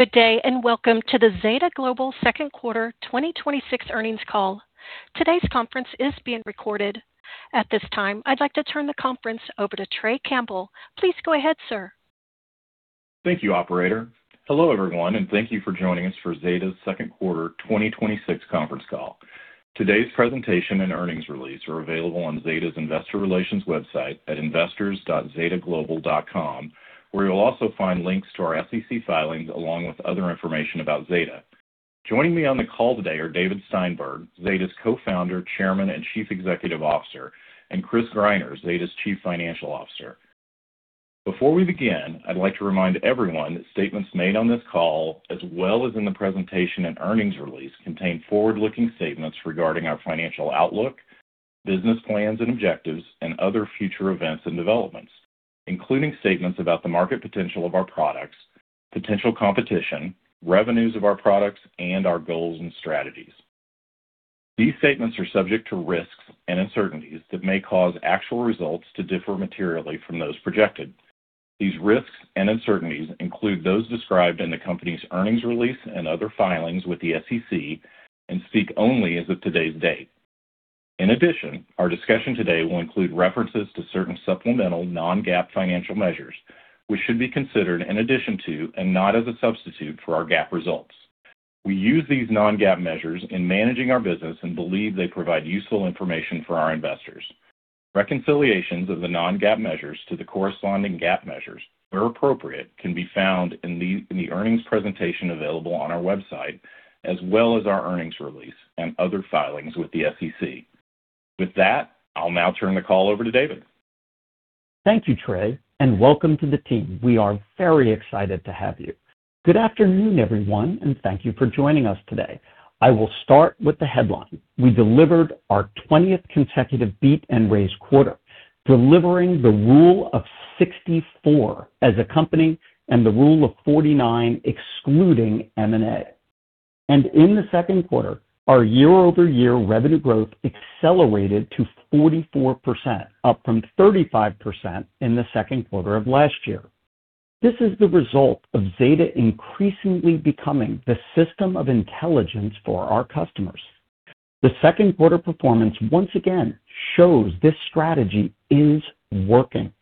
Good day, welcome to Zeta Global second quarter 2026 earnings call. Today's conference is being recorded. At this time, I'd like to turn the conference over to Trey Campbell. Please go ahead, sir. Thank you, operator. Hello, everyone, thank you for joining us for Zeta's second quarter 2026 conference call. Today's presentation and earnings release are available on Zeta's investor relations website at investors.zetaglobal.com, where you'll also find links to our SEC filings, along with other information about Zeta. Joining me on the call today are David Steinberg, Zeta's Co-Founder, Chairman, and Chief Executive Officer, and Chris Greiner, Zeta's Chief Financial Officer. Before we begin, I'd like to remind everyone that statements made on this call, as well as in the presentation and earnings release, contain forward-looking statements regarding our financial outlook, business plans and objectives, and other future events and developments, including statements about the market potential of our products, potential competition, revenues of our products, and our goals and strategies. These statements are subject to risks and uncertainties that may cause actual results to differ materially from those projected. These risks and uncertainties include those described in the company's earnings release and other filings with the SEC, speak only as of today's date. In addition, our discussion today will include references to certain supplemental non-GAAP financial measures. We should be considered in addition to, and not as a substitute for, our GAAP results. We use these non-GAAP measures in managing our business and believe they provide useful information for our investors. Reconciliations of the non-GAAP measures to the corresponding GAAP measures, where appropriate, can be found in the earnings presentation available on our website, as well as our earnings release and other filings with the SEC. With that, I'll now turn the call over to David. Thank you, Trey, welcome to the team. We are very excited to have you. Good afternoon, everyone, thank you for joining us today. I will start with the headline. We delivered our 20th consecutive beat and raise quarter, delivering the rule of 64 as a company and the rule of 49 excluding M&A. In the second quarter, our year-over-year revenue growth accelerated to 44%, up from 35% in the second quarter of last year. This is the result of Zeta increasingly becoming the system of intelligence for our customers. The second quarter performance once again shows this strategy is working.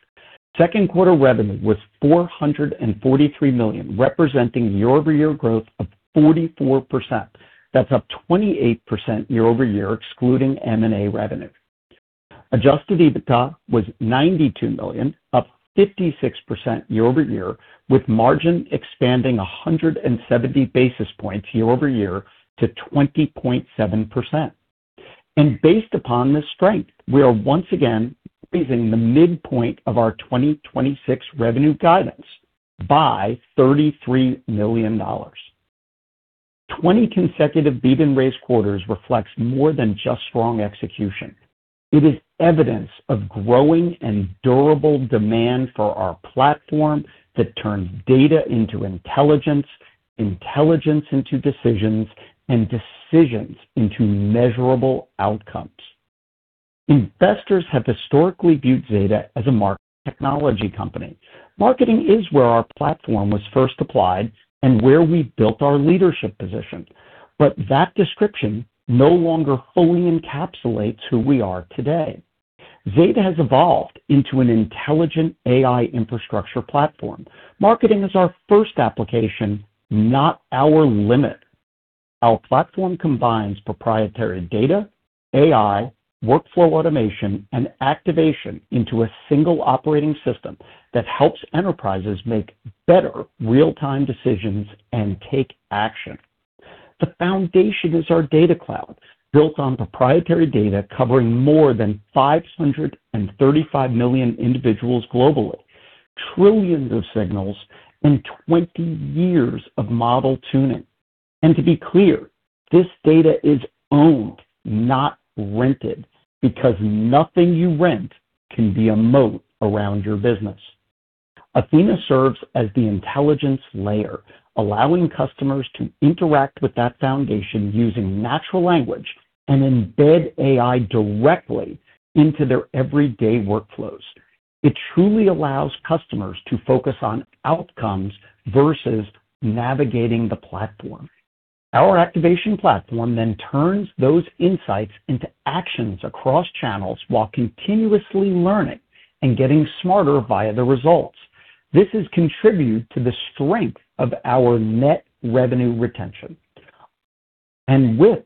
Second quarter revenue was $443 million, representing year-over-year growth of 44%. That's up 28% year-over-year, excluding M&A revenue. Adjusted EBITDA was $92 million, up 56% year-over-year, with margin expanding 170 basis points year-over-year to 20.7%. Based upon this strength, we are once again raising the midpoint of our 2026 revenue guidance by $33 million. 20 consecutive beat and raise quarters reflects more than just strong execution. It is evidence of growing and durable demand for our platform that turns data into intelligence into decisions, and decisions into measurable outcomes. Investors have historically viewed Zeta as a market technology company. Marketing is where our platform was first applied and where we built our leadership position, that description no longer fully encapsulates who we are today. Zeta has evolved into an intelligent AI infrastructure platform. Marketing is our first application, not our limit. Our platform combines proprietary data, AI, workflow automation, and activation into a single operating system that helps enterprises make better real-time decisions and take action. The foundation is our Data Cloud, built on proprietary data covering more than 535 million individuals globally, trillions of signals, and 20 years of model tuning. To be clear, this data is owned, not rented, because nothing you rent can be a moat around your business. Athena serves as the intelligence layer, allowing customers to interact with that foundation using natural language and embed AI directly into their everyday workflows. It truly allows customers to focus on outcomes versus navigating the platform. Our activation platform turns those insights into actions across channels while continuously learning and getting smarter via the results. This has contributed to the strength of our net revenue retention. With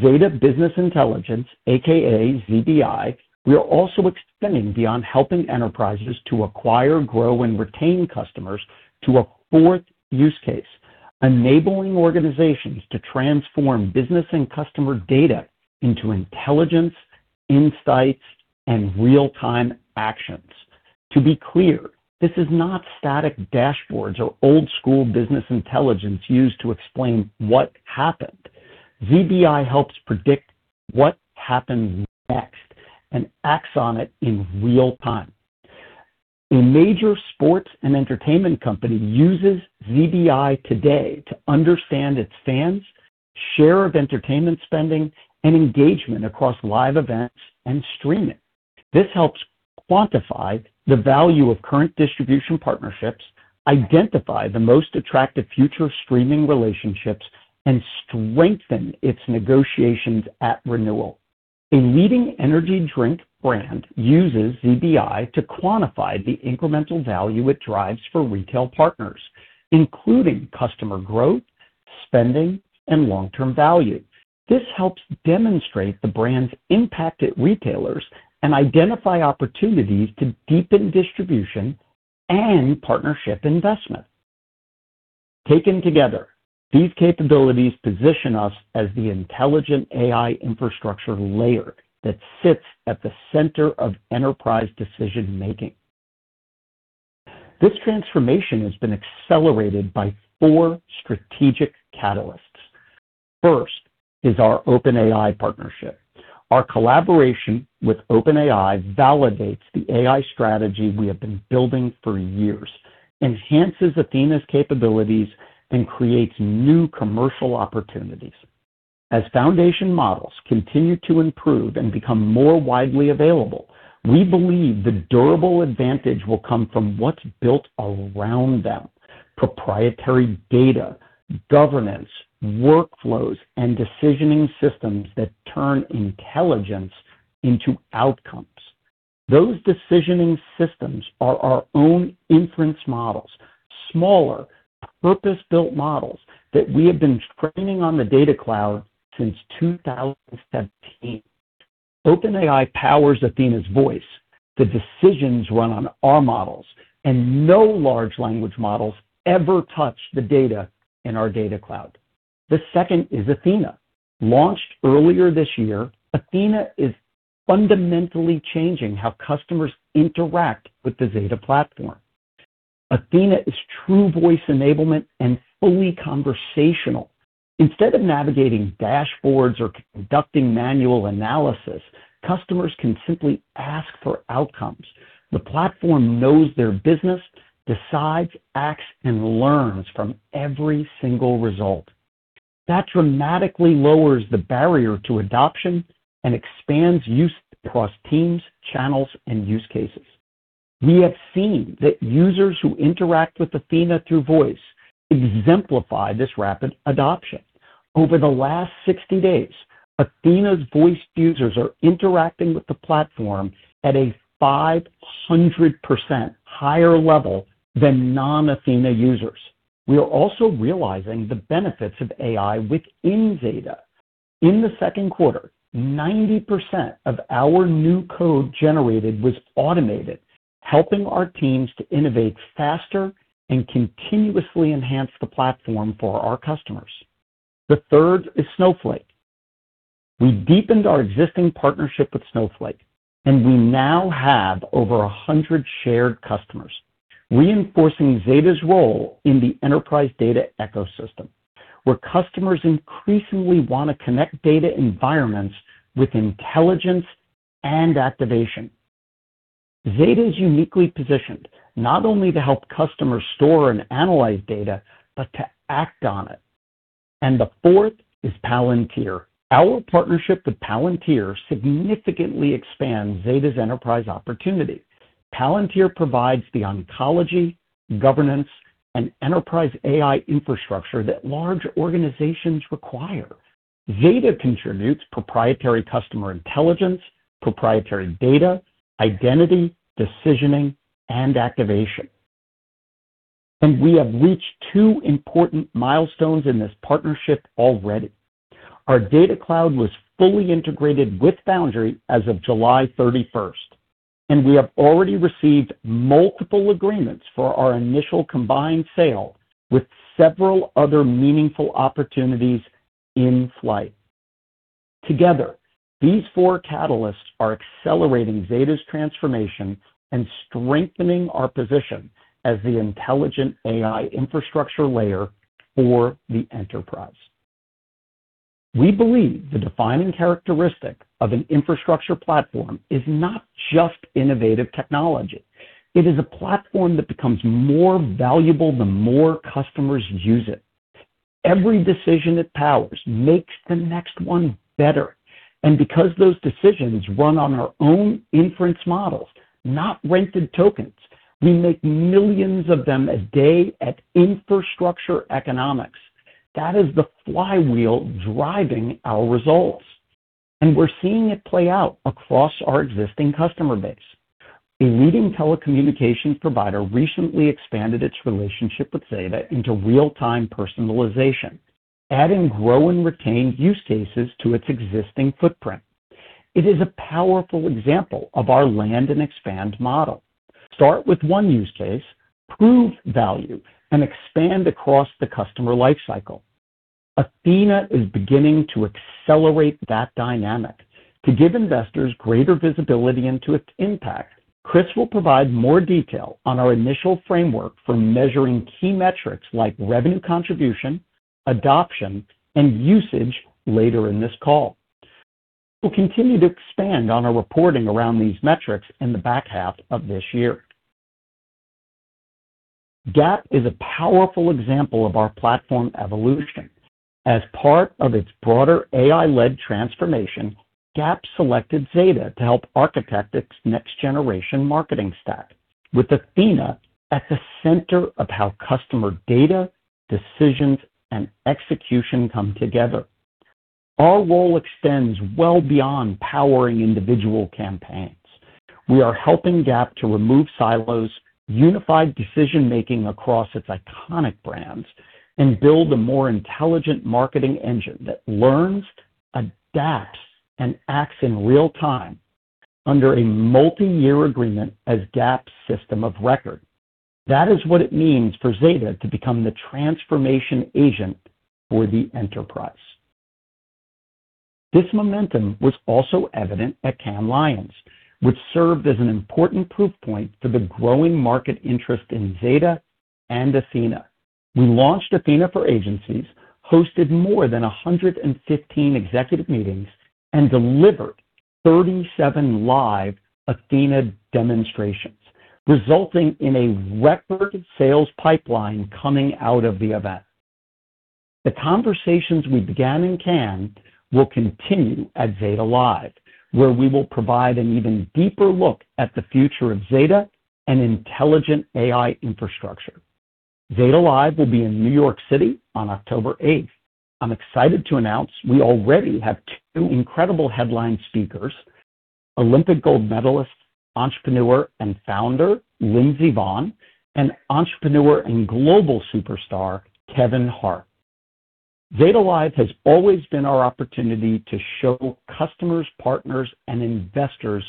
Zeta Business Intelligence, AKA ZBI, we are also extending beyond helping enterprises to acquire, grow, and retain customers to a fourth use case, enabling organizations to transform business and customer data into intelligence, insights, and real-time actions. To be clear, this is not static dashboards or old-school business intelligence used to explain what happened. ZBI helps predict what happens next and acts on it in real-time. A major sports and entertainment company uses ZBI today to understand its fans share of entertainment spending, and engagement across live events and streaming. This helps quantify the value of current distribution partnerships, identify the most attractive future streaming relationships, and strengthen its negotiations at renewal. A leading energy drink brand uses ZBI to quantify the incremental value it drives for retail partners, including customer growth, spending, and long-term value. This helps demonstrate the brand's impact at retailers and identify opportunities to deepen distribution and partnership investment. Taken together, these capabilities position us as the intelligent AI infrastructure layer that sits at the center of enterprise decision-making. This transformation has been accelerated by four strategic catalysts. First is our OpenAI partnership. Our collaboration with OpenAI validates the AI strategy we have been building for years, enhances Athena's capabilities, and creates new commercial opportunities. As foundation models continue to improve and become more widely available, we believe the durable advantage will come from what's built around them: proprietary data, governance, workflows, and decisioning systems that turn intelligence into outcomes. Those decisioning systems are our own inference models, smaller, purpose-built models that we have been training on the Data Cloud since 2017. OpenAI powers Athena's voice. The decisions run on our models, and no large language models ever touch the data in our Data Cloud. The second is Athena. Launched earlier this year, Athena is fundamentally changing how customers interact with the Zeta platform. Athena is true voice enablement and fully conversational. Instead of navigating dashboards or conducting manual analysis, customers can simply ask for outcomes. The platform knows their business, decides, acts, and learns from every single result. That dramatically lowers the barrier to adoption and expands use across teams, channels, and use cases. We have seen that users who interact with Athena through voice exemplify this rapid adoption. Over the last 60 days, Athena's voice users are interacting with the platform at a 500% higher level than non-Athena users. We are also realizing the benefits of AI within Zeta. In the second quarter, 90% of our new code generated was automated, helping our teams to innovate faster and continuously enhance the platform for our customers. The third is Snowflake. We deepened our existing partnership with Snowflake, and we now have over 100 shared customers, reinforcing Zeta's role in the enterprise data ecosystem, where customers increasingly want to connect data environments with intelligence and activation. Zeta is uniquely positioned not only to help customers store and analyze data, but to act on it. The fourth is Palantir. Our partnership with Palantir significantly expands Zeta's enterprise opportunity. Palantir provides the ontology, governance, and enterprise AI infrastructure that large organizations require. Zeta contributes proprietary customer intelligence, proprietary data, identity, decisioning, and activation. We have reached two important milestones in this partnership already. Our Data Cloud was fully integrated with Foundry as of July 31st, and we have already received multiple agreements for our initial combined sale, with several other meaningful opportunities in flight. Together, these four catalysts are accelerating Zeta's transformation and strengthening our position as the intelligent AI infrastructure layer for the enterprise. We believe the defining characteristic of an infrastructure platform is not just innovative technology. It is a platform that becomes more valuable the more customers use it. Every decision it powers makes the next one better. Because those decisions run on our own inference models, not rented tokens, we make millions of them a day at infrastructure economics. That is the flywheel driving our results. We are seeing it play out across our existing customer base. A leading telecommunications provider recently expanded its relationship with Zeta into real-time personalization, adding grow and retain use cases to its existing footprint. It is a powerful example of our land and expand model. Start with one use case, prove value, and expand across the customer lifecycle. Athena is beginning to accelerate that dynamic. To give investors greater visibility into its impact, Chris will provide more detail on our initial framework for measuring key metrics like revenue contribution, adoption, and usage later in this call. We will continue to expand on our reporting around these metrics in the back half of this year. GAP is a powerful example of our platform evolution. As part of its broader AI-led transformation, GAP selected Zeta to help architect its next-generation marketing stack, with Athena at the center of how customer data, decisions, and execution come together. Our role extends well beyond powering individual campaigns. We are helping Gap to remove silos, unify decision-making across its iconic brands, and build a more intelligent marketing engine that learns, adapts, and acts in real time under a multi-year agreement as Gap's system of record. That is what it means for Zeta to become the transformation agent for the enterprise. This momentum was also evident at Cannes Lions, which served as an important proof point for the growing market interest in Zeta and Athena. We launched Athena for agencies, hosted more than 115 executive meetings, and delivered 37 live Athena demonstrations, resulting in a record sales pipeline coming out of the event. The conversations we began in Cannes will continue at Zeta Live, where we will provide an even deeper look at the future of Zeta and intelligent AI infrastructure. Zeta Live will be in New York City on October 8th. I'm excited to announce we already have two incredible headline speakers: Olympic gold medalist, entrepreneur, and founder Lindsey Vonn, and entrepreneur and global superstar Kevin Hart. Zeta Live has always been our opportunity to show customers, partners, and investors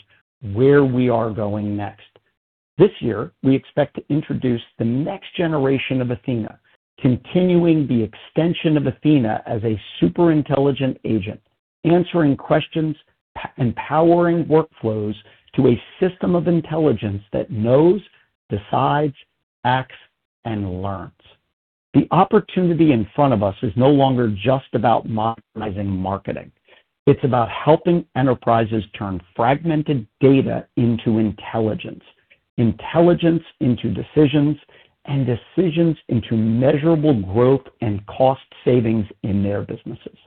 where we are going next. This year, we expect to introduce the next generation of Athena, continuing the extension of Athena as a super intelligent agent, answering questions, empowering workflows to a system of intelligence that knows, decides, acts, and learns. The opportunity in front of us is no longer just about modernizing marketing. It's about helping enterprises turn fragmented data into intelligence into decisions, and decisions into measurable growth and cost savings in their businesses.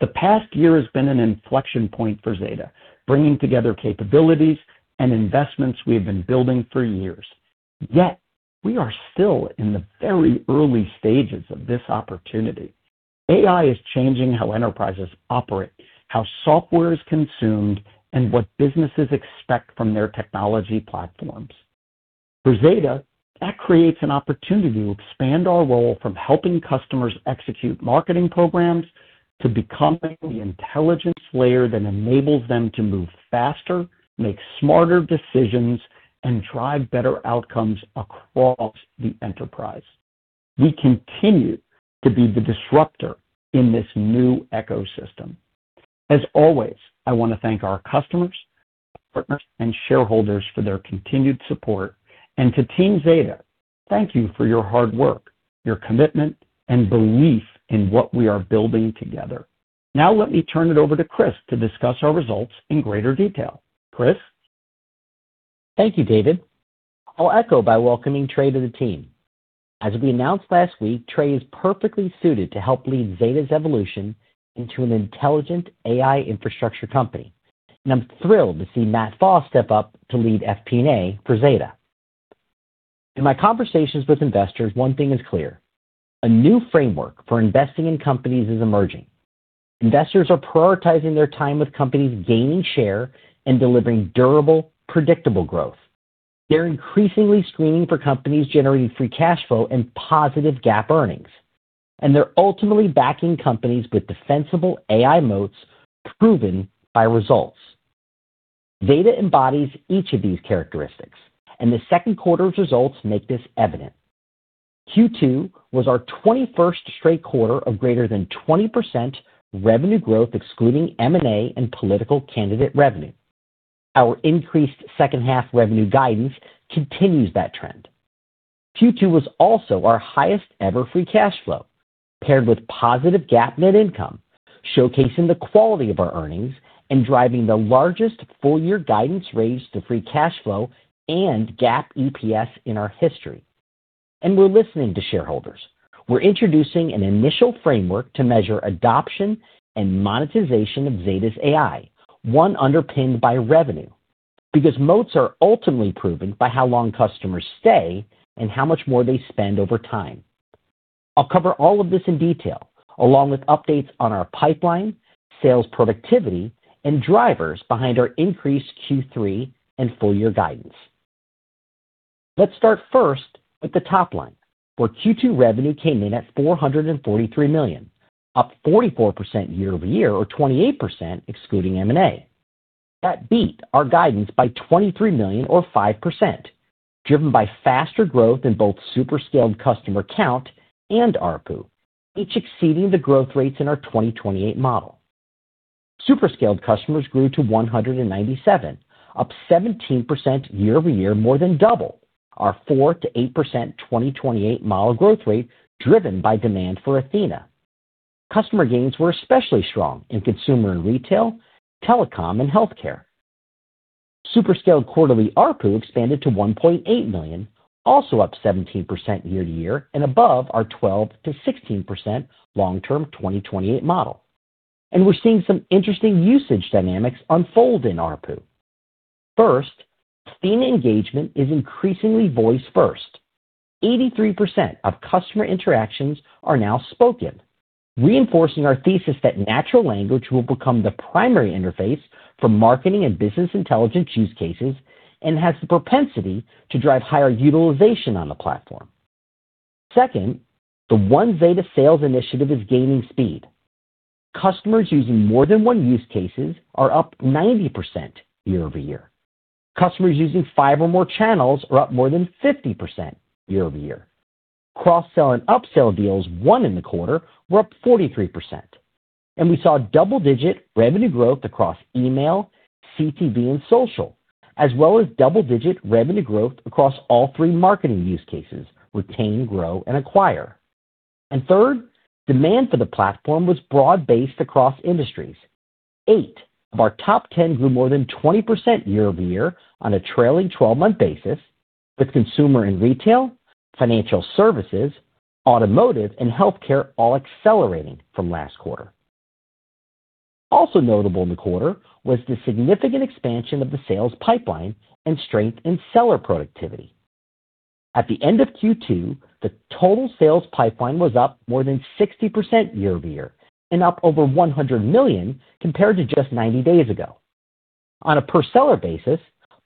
The past year has been an inflection point for Zeta, bringing together capabilities and investments we have been building for years. Yet, we are still in the very early stages of this opportunity. AI is changing how enterprises operate, how software is consumed, and what businesses expect from their technology platforms. For Zeta, that creates an opportunity to expand our role from helping customers execute marketing programs to becoming the intelligence layer that enables them to move faster, make smarter decisions, and drive better outcomes across the enterprise. We continue to be the disruptor in this new ecosystem. As always, I want to thank our customers, partners, and shareholders for their continued support, and to Team Zeta, thank you for your hard work, your commitment, and belief in what we are building together. Now let me turn it over to Chris to discuss our results in greater detail. Chris? Thank you, David. I'll echo by welcoming Trey to the team. As we announced last week, Trey is perfectly suited to help lead Zeta's evolution into an intelligent AI infrastructure company, and I'm thrilled to see Matt Pfau step up to lead FP&A for Zeta. In my conversations with investors, one thing is clear, a new framework for investing in companies is emerging. Investors are prioritizing their time with companies gaining share and delivering durable, predictable growth. They're increasingly screening for companies generating free cash flow and positive GAAP earnings, and they're ultimately backing companies with defensible AI moats proven by results. Zeta embodies each of these characteristics, and the second quarter's results make this evident. Q2 was our 21st straight quarter of greater than 20% revenue growth excluding M&A and political candidate revenue. Our increased second-half revenue guidance continues that trend. Q2 was also our highest-ever free cash flow, paired with positive GAAP net income, showcasing the quality of our earnings and driving the largest full-year guidance raise to free cash flow and GAAP EPS in our history. We're listening to shareholders. We're introducing an initial framework to measure adoption and monetization of Zeta's AI, one underpinned by revenue, because moats are ultimately proven by how long customers stay and how much more they spend over time. I'll cover all of this in detail, along with updates on our pipeline, sales productivity, and drivers behind our increased Q3 and full-year guidance. Let's start first with the top line. For Q2 revenue came in at $443 million, up 44% year-over-year or 28% excluding M&A. That beat our guidance by $23 million or 5%, driven by faster growth in both super scaled customer count and ARPU, each exceeding the growth rates in our 2028 model. Super scaled customers grew to 197, up 17% year-over-year, more than double our 4%-8% 2028 model growth rate driven by demand for Athena. Customer gains were especially strong in consumer and retail, telecom, and healthcare. Super scaled quarterly ARPU expanded to $1.8 million, also up 17% year-to-year and above our 12%-16% long-term 2028 model. We're seeing some interesting usage dynamics unfold in ARPU. First, Athena engagement is increasingly voice-first. 83% of customer interactions are now spoken, reinforcing our thesis that natural language will become the primary interface for marketing and business intelligence use cases and has the propensity to drive higher utilization on the platform. Second, the One Zeta sales initiative is gaining speed. Customers using more than one use cases are up 90% year-over-year. Customers using five or more channels are up more than 50% year-over-year. Cross-sell and upsell deals won in the quarter were up 43%. We saw double-digit revenue growth across email, CTV, and social, as well as double-digit revenue growth across all three marketing use cases, retain, grow, and acquire. Third, demand for the platform was broad-based across industries. Eight of our top 10 grew more than 20% year-over-year on a trailing 12-month basis, with consumer and retail, financial services, automotive, and healthcare all accelerating from last quarter. Also notable in the quarter was the significant expansion of the sales pipeline and strength in seller productivity. At the end of Q2, the total sales pipeline was up more than 60% year-over-year and up over $100 million compared to just 90 days ago. On a per seller basis,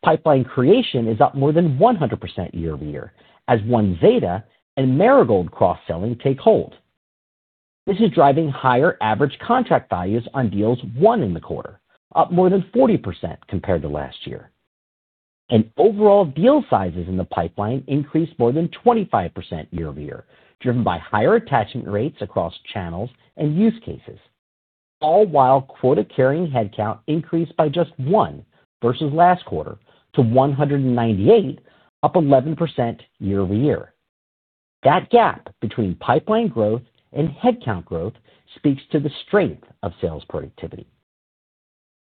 pipeline creation is up more than 100% year-over-year as One Zeta and Marigold cross-selling take hold. This is driving higher average contract values on deals won in the quarter, up more than 40% compared to last year. Overall deal sizes in the pipeline increased more than 25% year-over-year, driven by higher attachment rates across channels and use cases, all while quota-carrying headcount increased by just one versus last quarter to 198, up 11% year-over-year. That gap between pipeline growth and headcount growth speaks to the strength of sales productivity.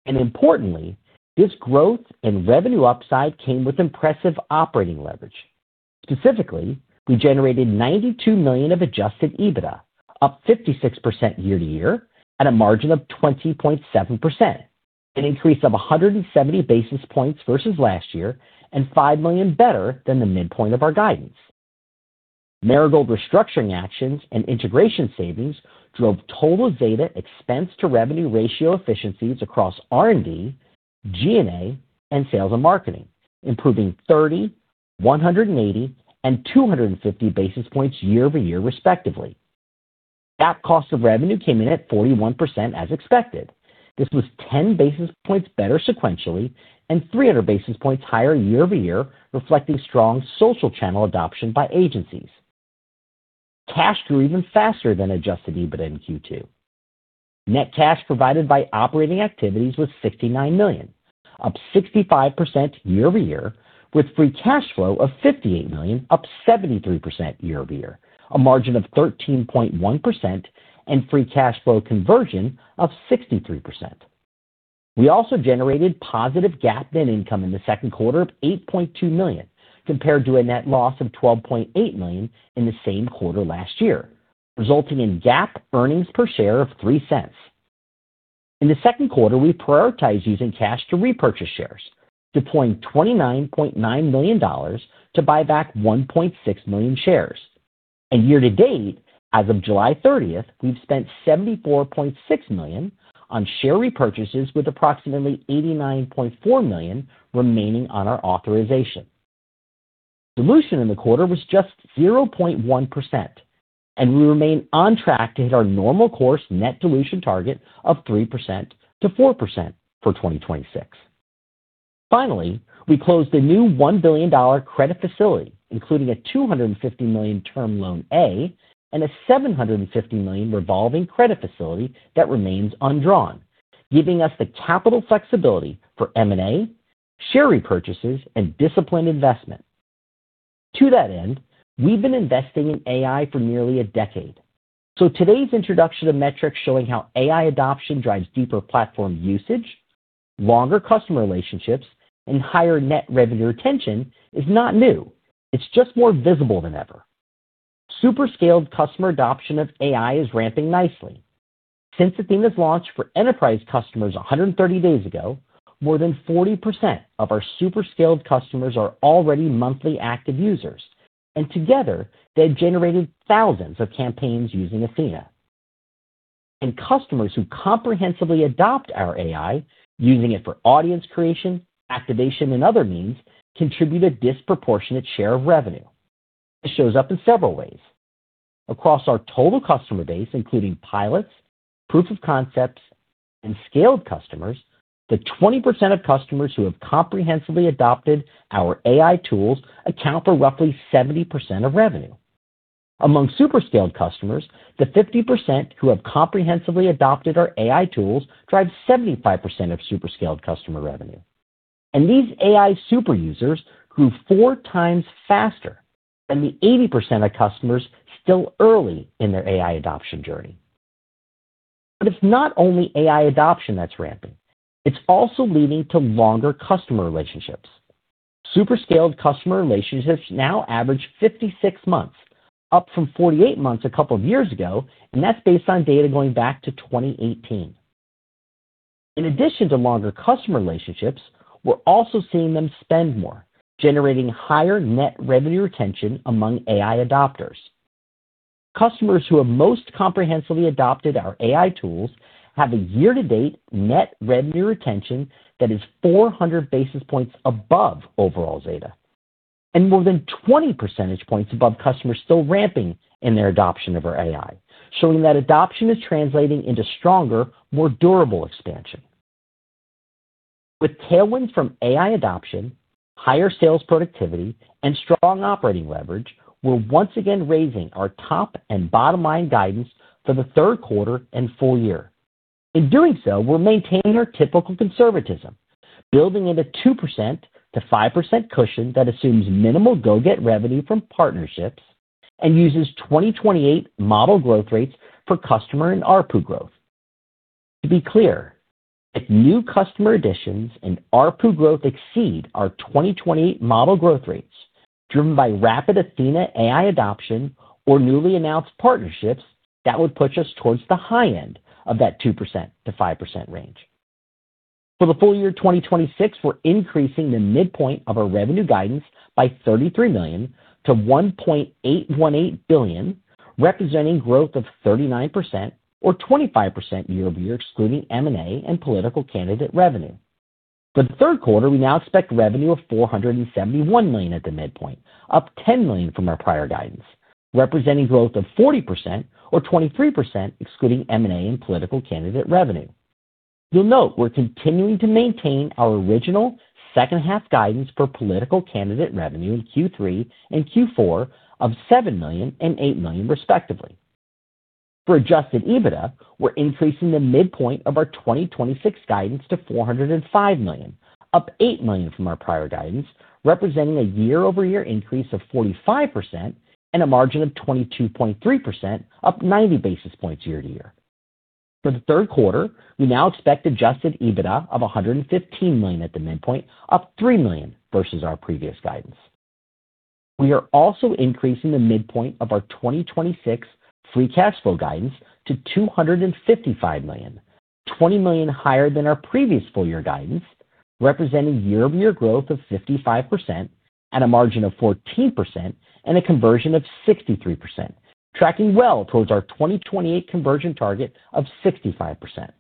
Importantly, this growth and revenue upside came with impressive operating leverage. Specifically, we generated $92 million of adjusted EBITDA, up 56% year-over-year at a margin of 20.7%, an increase of 170 basis points versus last year and $5 million better than the midpoint of our guidance. Marigold restructuring actions and integration savings drove total Zeta expense-to-revenue ratio efficiencies across R&D, G&A, and sales and marketing, improving 30, 180, and 250 basis points year-over-year respectively. GAAP cost of revenue came in at 41% as expected. This was 10 basis points better sequentially and 300 basis points higher year-over-year, reflecting strong social channel adoption by agencies. Cash grew even faster than adjusted EBITDA in Q2. Net cash provided by operating activities was $69 million, up 65% year-over-year, with free cash flow of $58 million, up 73% year-over-year, a margin of 13.1%, and free cash flow conversion of 63%. We also generated positive GAAP net income in the second quarter of $8.2 million, compared to a net loss of $12.8 million in the same quarter last year, resulting in GAAP earnings per share of $0.03. In the second quarter, we prioritized using cash to repurchase shares, deploying $29.9 million to buy back 1.6 million shares. Year to date, as of July 30th, we've spent $74.6 million on share repurchases with approximately $89.4 million remaining on our authorization. Dilution in the quarter was just 0.1%, and we remain on track to hit our normal course net dilution target of 3%-4% for 2026. Finally, we closed a new $1 billion credit facility, including a $250 million term loan A and a $750 million revolving credit facility that remains undrawn, giving us the capital flexibility for M&A, share repurchases, and disciplined investment. To that end, we've been investing in AI for nearly a decade. Today's introduction of metrics showing how AI adoption drives deeper platform usage, longer customer relationships, and higher net revenue retention is not new. It's just more visible than ever. Super scaled customer adoption of AI is ramping nicely. Since Athena's launch for enterprise customers 130 days ago, more than 40% of our super scaled customers are already monthly active users, and together, they've generated thousands of campaigns using Athena. Customers who comprehensively adopt our AI, using it for audience creation, activation, and other means, contribute a disproportionate share of revenue. This shows up in several ways. Across our total customer base, including pilots, proof of concepts, and scaled customers, the 20% of customers who have comprehensively adopted our AI tools account for roughly 70% of revenue. Among super scaled customers, the 50% who have comprehensively adopted our AI tools drive 75% of super scaled customer revenue. These AI super users grew four times faster than the 80% of customers still early in their AI adoption journey. It's not only AI adoption that's ramping, it's also leading to longer customer relationships. Super scaled customer relationships now average 56 months, up from 48 months a couple of years ago, and that's based on data going back to 2018. In addition to longer customer relationships, we're also seeing them spend more, generating higher net revenue retention among AI adopters. Customers who have most comprehensively adopted our AI tools have a year-to-date net revenue retention that is 400 basis points above overall Zeta, and more than 20 percentage points above customers still ramping in their adoption of our AI, showing that adoption is translating into stronger, more durable expansion. With tailwinds from AI adoption, higher sales productivity, and strong operating leverage, we're once again raising our top and bottom-line guidance for the third quarter and full year. In doing so, we're maintaining our typical conservatism, building in a 2%-5% cushion that assumes minimal go-get revenue from partnerships and uses 2028 model growth rates for customer and ARPU growth. To be clear, if new customer additions and ARPU growth exceed our 2028 model growth rates driven by rapid Athena AI adoption or newly announced partnerships, that would push us towards the high end of that 2%-5% range. For the full year 2026, we're increasing the midpoint of our revenue guidance by $33 million to $1.818 billion, representing growth of 39% or 25% year-over-year excluding M&A and political candidate revenue. For the third quarter, we now expect revenue of $471 million at the midpoint, up $10 million from our prior guidance, representing growth of 40% or 23% excluding M&A and political candidate revenue. You'll note we're continuing to maintain our original second half guidance for political candidate revenue in Q3 and Q4 of $7 million and $8 million respectively. For adjusted EBITDA, we're increasing the midpoint of our 2026 guidance to $405 million, up $8 million from our prior guidance, representing a year-over-year increase of 45% and a margin of 22.3%, up 90 basis points year-to-year. For the third quarter, we now expect adjusted EBITDA of $115 million at the midpoint, up $3 million versus our previous guidance. We are also increasing the midpoint of our 2026 free cash flow guidance to $255 million, $20 million higher than our previous full year guidance, representing year-over-year growth of 55% at a margin of 14% and a conversion of 63%, tracking well towards our 2028 conversion target of 65%.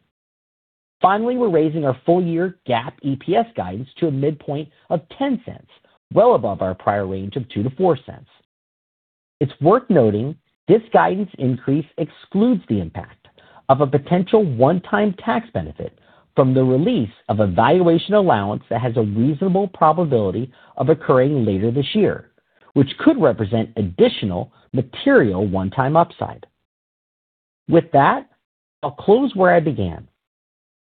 Finally, we're raising our full year GAAP EPS guidance to a midpoint of $0.10, well above our prior range of $0.02-$0.04. It's worth noting this guidance increase excludes the impact of a potential one-time tax benefit from the release of a valuation allowance that has a reasonable probability of occurring later this year, which could represent additional material one-time upside. With that, I'll close where I began.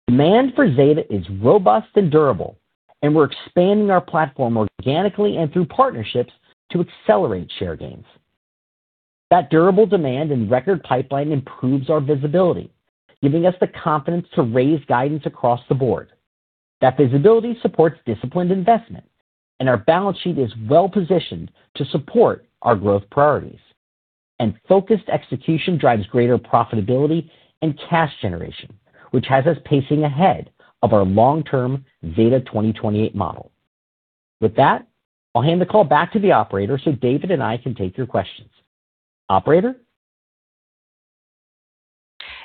Demand for Zeta is robust and durable, we're expanding our platform organically and through partnerships to accelerate share gains. That durable demand and record pipeline improves our visibility, giving us the confidence to raise guidance across the board. That visibility supports disciplined investment, our balance sheet is well-positioned to support our growth priorities, focused execution drives greater profitability and cash generation, which has us pacing ahead of our long-term Zeta 2028 model. With that, I'll hand the call back to the operator so David and I can take your questions. Operator?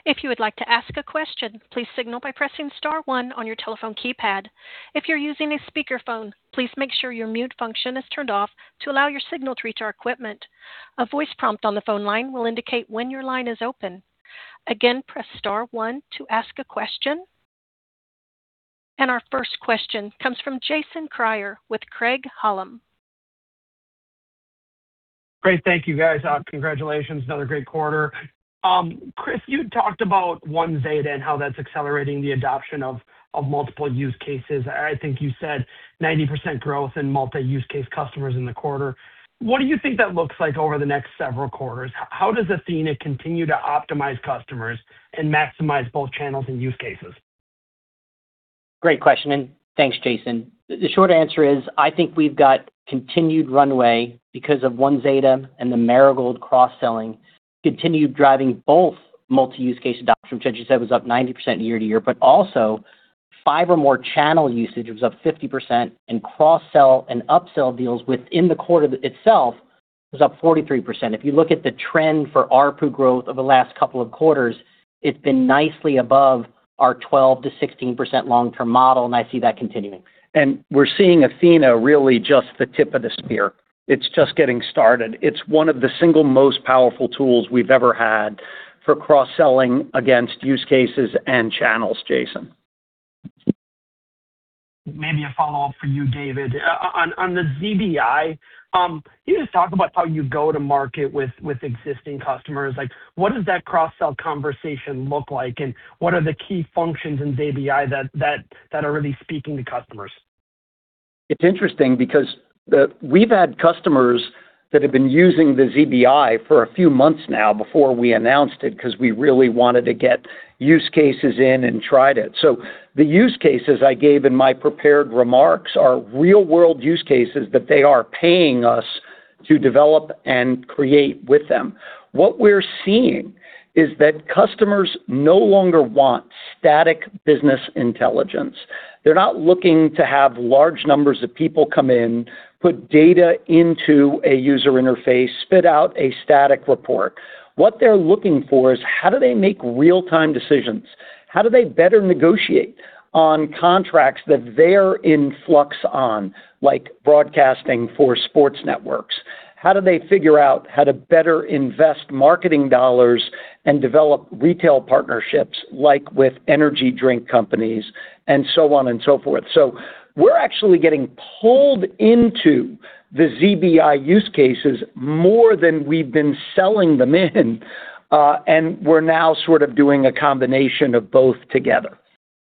If you would like to ask a question, please signal by pressing star one on your telephone keypad. If you're using a speakerphone, please make sure your mute function is turned off to allow your signal to reach our equipment. A voice prompt on the phone line will indicate when your line is open. Again, press star one to ask a question. Our first question comes from Jason Kreyer with Craig-Hallum. Great. Thank you, guys. Congratulations. Another great quarter. Chris, you talked about One Zeta and how that's accelerating the adoption of multiple use cases. I think you said 90% growth in multi-use case customers in the quarter. What do you think that looks like over the next several quarters? How does Athena continue to optimize customers and maximize both channels and use cases? Great question, thanks, Jason. The short answer is I think we've got continued runway because of One Zeta and the Marigold cross-selling continued driving both multi-use case adoption, which I just said was up 90% year-over-year, but also five or more channel usage was up 50%, cross-sell and upsell deals within the quarter itself was up 43%. If you look at the trend for ARPU growth over the last couple of quarters, it's been nicely above our 12%-16% long-term model, I see that continuing. We're seeing Athena really just the tip of the spear. It's just getting started. It's one of the single most powerful tools we've ever had for cross-selling against use cases and channels, Jason. Maybe a follow-up for you, David. On the ZBI, can you just talk about how you go to market with existing customers? What does that cross-sell conversation look like, and what are the key functions in ZBI that are really speaking to customers? It's interesting because we've had customers that have been using the ZBI for a few months now before we announced it, because we really wanted to get use cases in and tried it. The use cases I gave in my prepared remarks are real-world use cases that they are paying us to develop and create with them. What we're seeing is that customers no longer want static business intelligence. They're not looking to have large numbers of people come in, put data into a user interface, spit out a static report. What they're looking for is how do they make real-time decisions? How do they better negotiate on contracts that they're in flux on, like broadcasting for sports networks? How do they figure out how to better invest marketing dollars and develop retail partnerships, like with energy drink companies and so on and so forth? We're actually getting pulled into the ZBI use cases more than we've been selling them in. We're now sort of doing a combination of both together.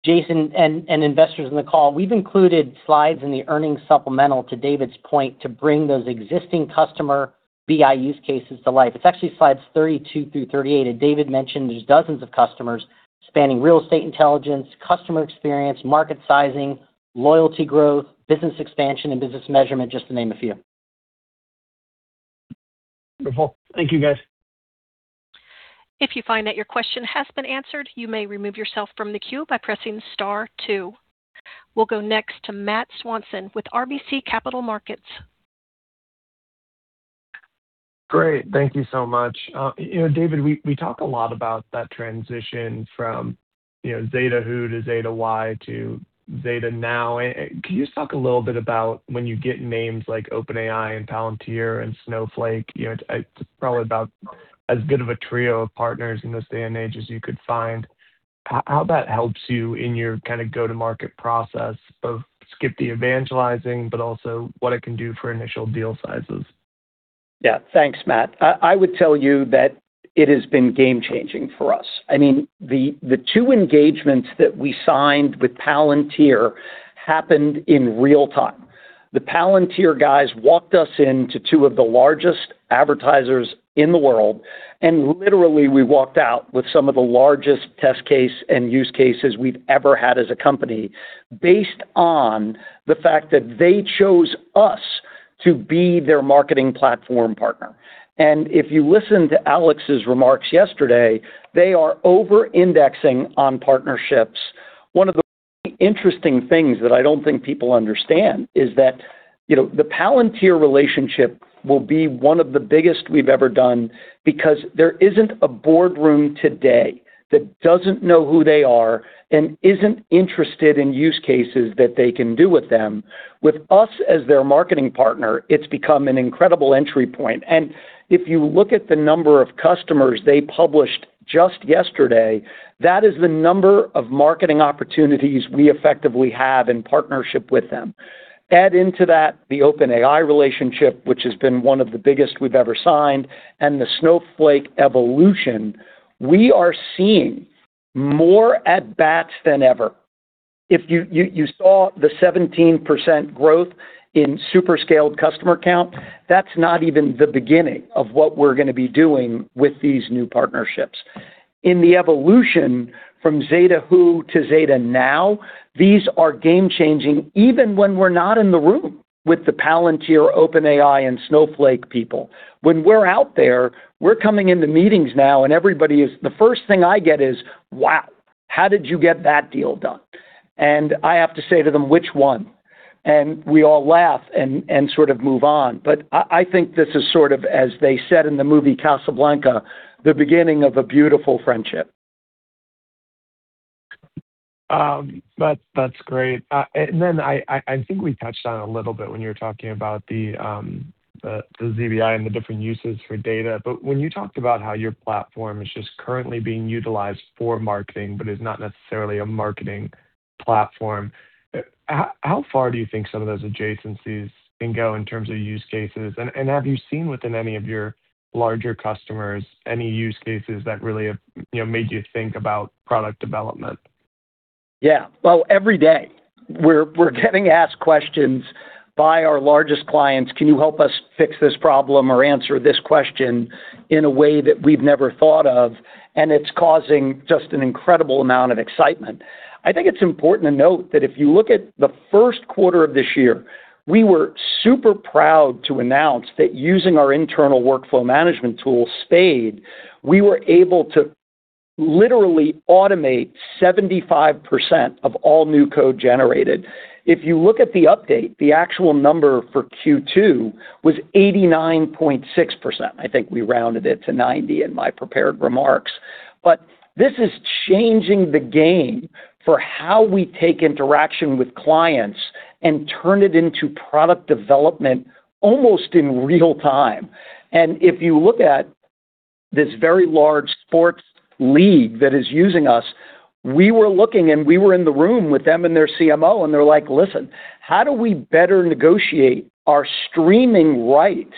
Jason and investors in the call, we've included slides in the earnings supplemental, to David's point, to bring those existing customer BI use cases to life. It's actually slides 32 through 38, David mentioned there's dozens of customers spanning real estate intelligence, customer experience, market sizing, loyalty growth, business expansion, and business measurement, just to name a few. Wonderful. Thank you, guys. If you find that your question has been answered, you may remove yourself from the queue by pressing star two. We'll go next to Matt Swanson with RBC Capital Markets. Great. Thank you so much. David, we talk a lot about that transition from ZetaWho to ZetaWhy to ZetaNow. Can you just talk a little bit about when you get names like OpenAI and Palantir and Snowflake? It's probably about as good of a trio of partners in this day and age as you could find. How that helps you in your go-to-market process of skip the evangelizing, but also what it can do for initial deal sizes. Yeah. Thanks, Matt. I would tell you that it has been game-changing for us. The two engagements that we signed with Palantir happened in real-time. The Palantir guys walked us into two of the largest advertisers in the world, and literally we walked out with some of the largest test case and use cases we've ever had as a company based on the fact that they chose us to be their marketing platform partner. If you listen to Alex's remarks yesterday, they are over-indexing on partnerships. One of the interesting things that I don't think people understand is that the Palantir relationship will be one of the biggest we've ever done because there isn't a boardroom today that doesn't know who they are and isn't interested in use cases that they can do with them. With us as their marketing partner, it's become an incredible entry point. If you look at the number of customers they published just yesterday, that is the number of marketing opportunities we effectively have in partnership with them. Add into that the OpenAI relationship, which has been one of the biggest we've ever signed, and the Snowflake evolution, we are seeing more at bats than ever. If you saw the 17% growth in super scaled customer count, that's not even the beginning of what we're going to be doing with these new partnerships. In the evolution from ZetaWho to ZetaNow, these are game-changing, even when we're not in the room with the Palantir, OpenAI, and Snowflake people. When we're out there, we're coming into meetings now, and everybody, the first thing I get is, "Wow, how did you get that deal done?" I have to say to them, "Which one?" We all laugh and sort of move on. I think this is sort of, as they said in the movie Casablanca, the beginning of a beautiful friendship. That's great. I think we touched on it a little bit when you were talking about the ZBI and the different uses for data, but when you talked about how your platform is just currently being utilized for marketing but is not necessarily a marketing platform, how far do you think some of those adjacencies can go in terms of use cases? Have you seen within any of your larger customers any use cases that really have made you think about product development? Yeah. Well, every day we're getting asked questions by our largest clients, "Can you help us fix this problem or answer this question in a way that we've never thought of?" It's causing just an incredible amount of excitement. I think it's important to note that if you look at the first quarter of this year, we were super proud to announce that using our internal workflow management tool, Spade, we were able to literally automate 75% of all new code generated. If you look at the update, the actual number for Q2 was 89.6%. I think we rounded it to 90% in my prepared remarks. This is changing the game for how we take interaction with clients and turn it into product development almost in real-time. If you look at this very large sports league that is using us, we were looking, we were in the room with them and their CMO. They're like, "Listen, how do we better negotiate our streaming rights?"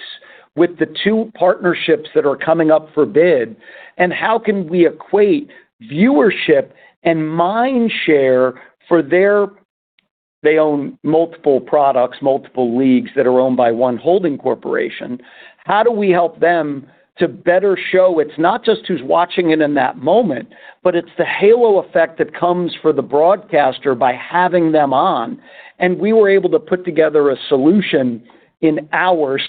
With the two partnerships that are coming up for bid, how can we equate viewership and mind share for their. They own multiple products, multiple leagues that are owned by one holding corporation. How do we help them to better show it's not just who's watching it in that moment, but it's the halo effect that comes for the broadcaster by having them on? We were able to put together a solution in hours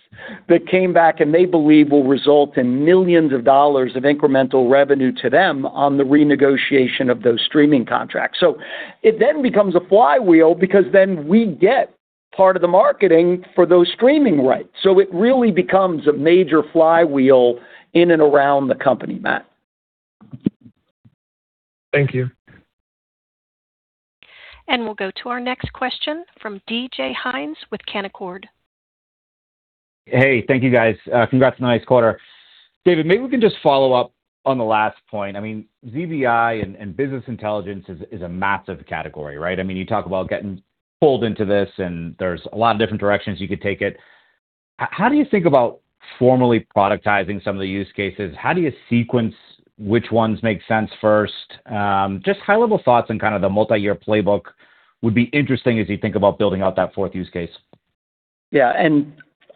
that came back and they believe will result in millions of dollars of incremental revenue to them on the renegotiation of those streaming contracts. It then becomes a flywheel because then we get part of the marketing for those streaming rights. It really becomes a major flywheel in and around the company, Matt. Thank you. We'll go to our next question from DJ Hynes with Canaccord. Hey, thank you, guys. Congrats on the nice quarter. David, maybe we can just follow up on the last point. I mean, ZBI and business intelligence is a massive category, right? You talk about getting pulled into this. There's a lot of different directions you could take it. How do you think about formally productizing some of the use cases? How do you sequence which ones make sense first? Just high-level thoughts on kind of the multi-year playbook would be interesting as you think about building out that fourth use case. Yeah.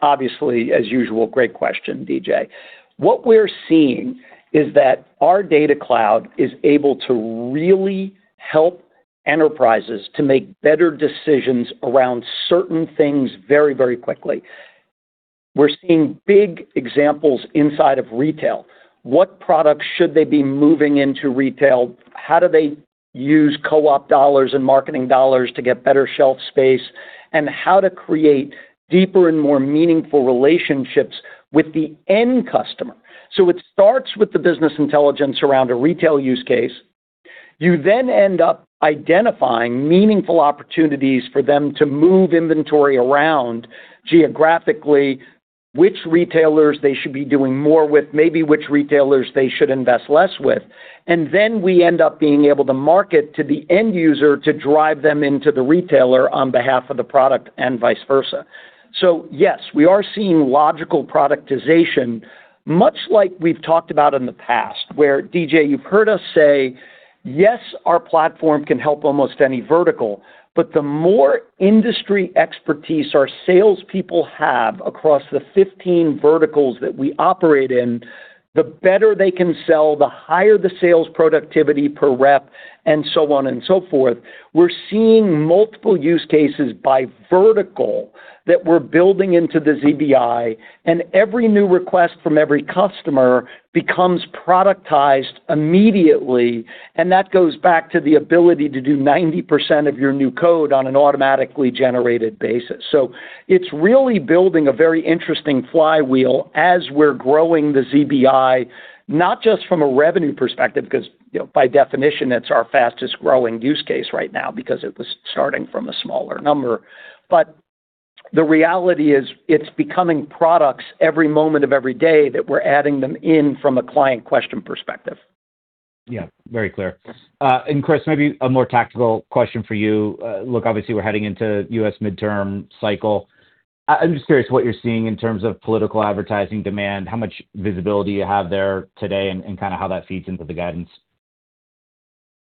Obviously, as usual, great question, DJ. What we're seeing is that our Zeta Data Cloud is able to really help enterprises to make better decisions around certain things very quickly. We're seeing big examples inside of retail. What products should they be moving into retail? How do they use co-op dollars and marketing dollars to get better shelf space? How to create deeper and more meaningful relationships with the end customer. It starts with the business intelligence around a retail use case. You then end up identifying meaningful opportunities for them to move inventory around geographically, which retailers they should be doing more with, maybe which retailers they should invest less with. We end up being able to market to the end user to drive them into the retailer on behalf of the product and vice versa. Yes, we are seeing logical productization, much like we've talked about in the past, where, DJ, you've heard us say, yes, our platform can help almost any vertical, but the more industry expertise our salespeople have across the 15 verticals that we operate in, the better they can sell, the higher the sales productivity per rep, and so on and so forth. We're seeing multiple use cases by vertical that we're building into the ZBI. Every new request from every customer becomes productized immediately. That goes back to the ability to do 90% of your new code on an automatically generated basis. It's really building a very interesting flywheel as we're growing the ZBI, not just from a revenue perspective, because by definition, that's our fastest-growing use case right now because it was starting from a smaller number. The reality is it's becoming products every moment of every day that we're adding them in from a client question perspective. Yeah, very clear. Chris, maybe a more tactical question for you. Look, obviously, we're heading into U.S. midterm cycle. I'm just curious what you're seeing in terms of political advertising demand, how much visibility you have there today, and how that feeds into the guidance.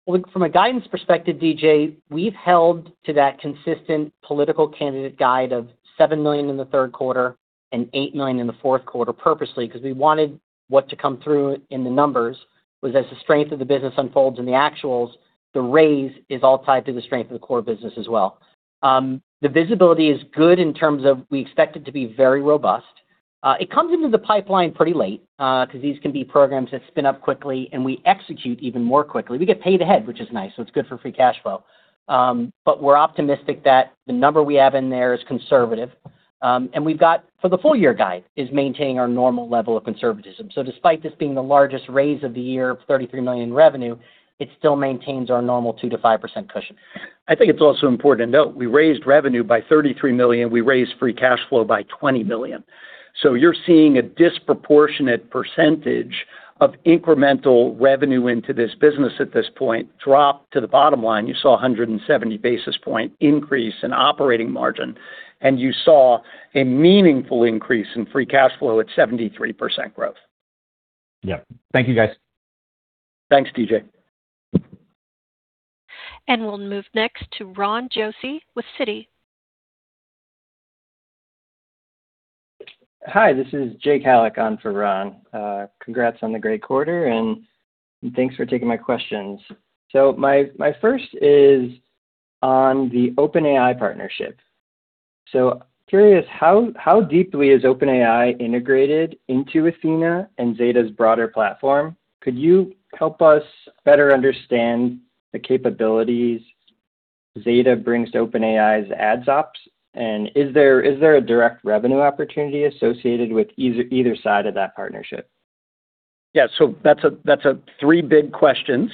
Look, from a guidance perspective, DJ, we've held to that consistent political candidate guide of $7 million in the third quarter and $8 million in the fourth quarter purposely because we wanted what to come through in the numbers was as the strength of the business unfolds in the actuals, the raise is all tied to the strength of the core business as well. The visibility is good in terms of we expect it to be very robust. It comes into the pipeline pretty late, because these can be programs that spin up quickly, and we execute even more quickly. We get paid ahead, which is nice, so it's good for free cash flow. We're optimistic that the number we have in there is conservative. We've got for the full year guide is maintaining our normal level of conservatism. Despite this being the largest raise of the year, $33 million revenue, it still maintains our normal 2%-5% cushion. I think it's also important to note, we raised revenue by $33 million, we raised free cash flow by $20 million. You're seeing a disproportionate percentage of incremental revenue into this business at this point drop to the bottom line. You saw 170 basis point increase in operating margin, you saw a meaningful increase in free cash flow at 73% growth. Yep. Thank you, guys. Thanks, DJ. We'll move next to Ron Josey with Citi. Hi, this is Jake Hallac on for Ron. Congrats on the great quarter, and thanks for taking my questions. My first is on the OpenAI partnership. Curious, how deeply is OpenAI integrated into Athena and Zeta's broader platform? Could you help us better understand the capabilities Zeta brings to OpenAI's ad ops? Is there a direct revenue opportunity associated with either side of that partnership? That's three big questions,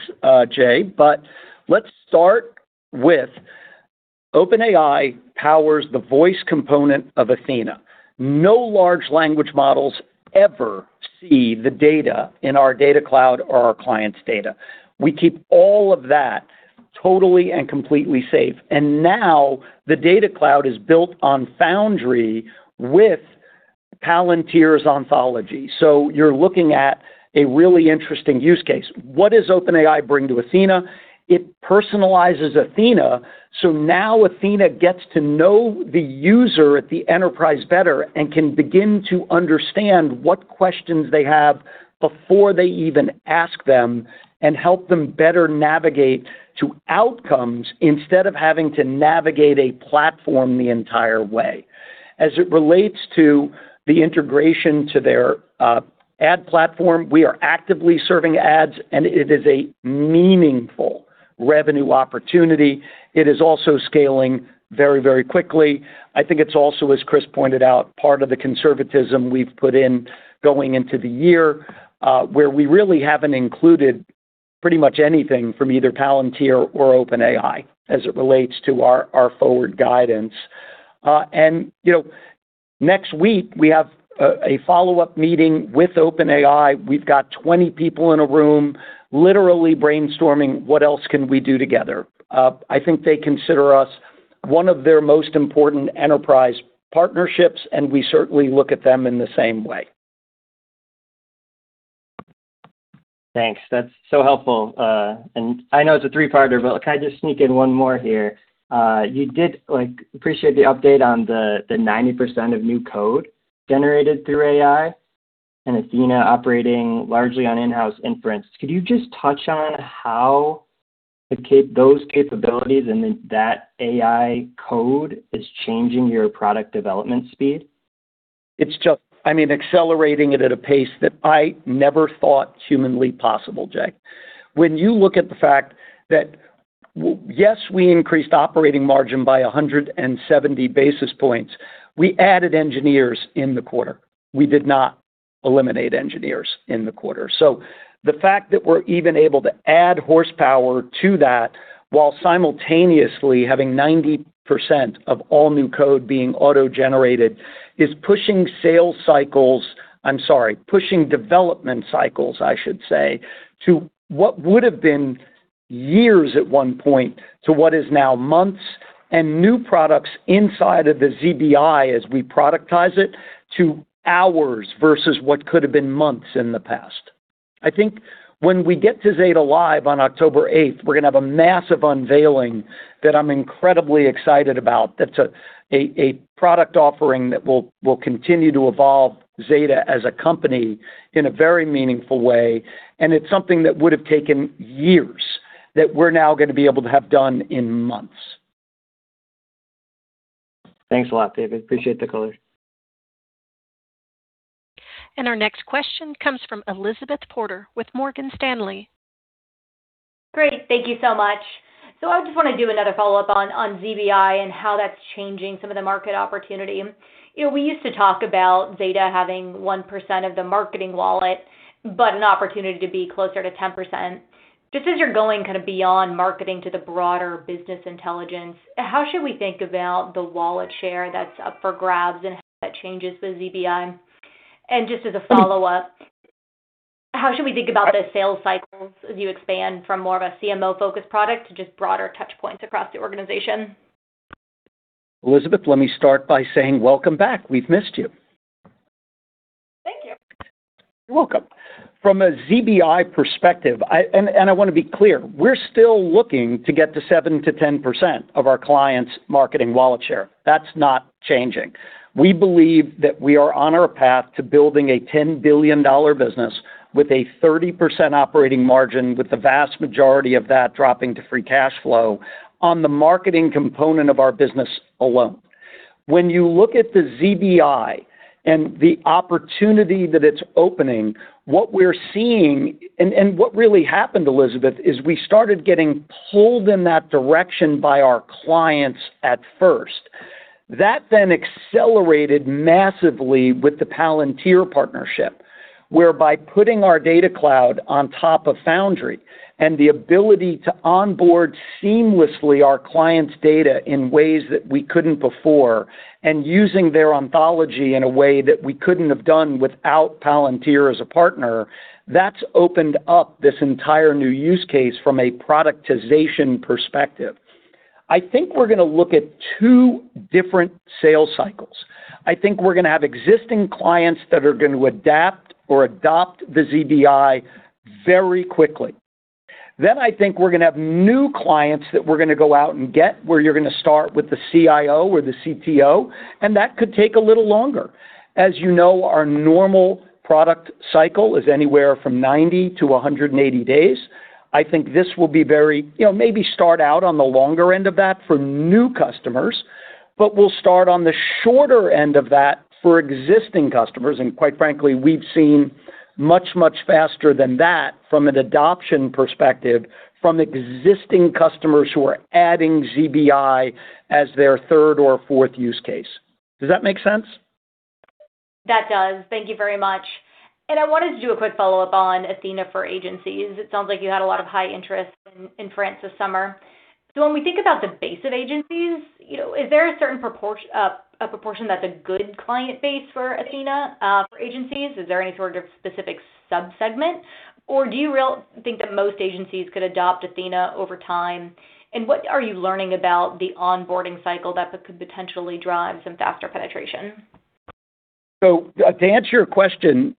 Jake, let's start with OpenAI powers the voice component of Athena. No large language models ever see the data in our Data Cloud or our clients' data. We keep all of that totally and completely safe. Now the Data Cloud is built on Foundry with Palantir's ontology. You're looking at a really interesting use case. What does OpenAI bring to Athena? It personalizes Athena, so now Athena gets to know the user at the enterprise better and can begin to understand what questions they have before they even ask them, and help them better navigate to outcomes instead of having to navigate a platform the entire way. As it relates to the integration to their ad platform, we are actively serving ads, and it is a meaningful revenue opportunity. It is also scaling very quickly. I think it's also, as Chris pointed out, part of the conservatism we've put in going into the year, where we really haven't included pretty much anything from either Palantir or OpenAI as it relates to our forward guidance. Next week we have a follow-up meeting with OpenAI. We've got 20 people in a room literally brainstorming what else can we do together. I think they consider us one of their most important enterprise partnerships, and we certainly look at them in the same way. Thanks. That's so helpful. I know it's a three-parter, can I just sneak in one more here? Did appreciate the update on the 90% of new code generated through AI and Athena operating largely on in-house inference. Could you just touch on how those capabilities and that AI code is changing your product development speed? It's just accelerating it at a pace that I never thought humanly possible, Jake. When you look at the fact that, yes, we increased operating margin by 170 basis points, we added engineers in the quarter. We did not eliminate engineers in the quarter. The fact that we're even able to add horsepower to that while simultaneously having 90% of all new code being auto-generated is pushing sales cycles, I'm sorry, pushing development cycles, I should say, to what would've been years at one point to what is now months, and new products inside of the ZBI as we productize it to hours versus what could have been months in the past. I think when we get to Zeta Live on October 8th, we're going to have a massive unveiling that I'm incredibly excited about. That's a product offering that will continue to evolve Zeta as a company in a very meaningful way, and it's something that would've taken years that we're now going to be able to have done in months. Thanks a lot, David. Appreciate the color. Our next question comes from Elizabeth Porter with Morgan Stanley. Great. Thank you so much. I just want to do another follow-up on ZBI and how that's changing some of the market opportunity. We used to talk about Zeta having 1% of the marketing wallet, but an opportunity to be closer to 10%. Just as you're going beyond marketing to the broader business intelligence, how should we think about the wallet share that's up for grabs and how that changes the ZBI? Just as a follow-up, how should we think about the sales cycles as you expand from more of a CMO-focused product to just broader touch points across the organization? Elizabeth, let me start by saying welcome back. We've missed you. Thank you. You're welcome. From a ZBI perspective, I want to be clear, we're still looking to get to 7%-10% of our clients' marketing wallet share. That's not changing. We believe that we are on our path to building a $10 billion business with a 30% operating margin, with the vast majority of that dropping to free cash flow on the marketing component of our business alone. When you look at the ZBI and the opportunity that it's opening, what we're seeing, and what really happened, Elizabeth, is we started getting pulled in that direction by our clients at first. That accelerated massively with the Palantir partnership, where by putting our data cloud on top of Foundry and the ability to onboard seamlessly our clients' data in ways that we couldn't before, and using their ontology in a way that we couldn't have done without Palantir as a partner, that's opened up this entire new use case from a productization perspective. I think we're going to look at two different sales cycles. I think we're going to have existing clients that are going to adapt or adopt the ZBI very quickly. I think we're going to have new clients that we're going to go out and get, where you're going to start with the CIO or the CTO. That could take a little longer. As you know, our normal product cycle is anywhere from 90-180 days. I think this will maybe start out on the longer end of that for new customers, but we'll start on the shorter end of that for existing customers. Quite frankly, we've seen much faster than that from an adoption perspective from existing customers who are adding ZBI as their third or fourth use case. Does that make sense? That does. Thank you very much. I wanted to do a quick follow-up on Athena for agencies. It sounds like you had a lot of high interest in France this summer. When we think about the base of agencies, is there a certain proportion that's a good client base for Athena, for agencies? Is there any sort of specific sub-segment, or do you really think that most agencies could adopt Athena over time? What are you learning about the onboarding cycle that could potentially drive some faster penetration? To answer your question,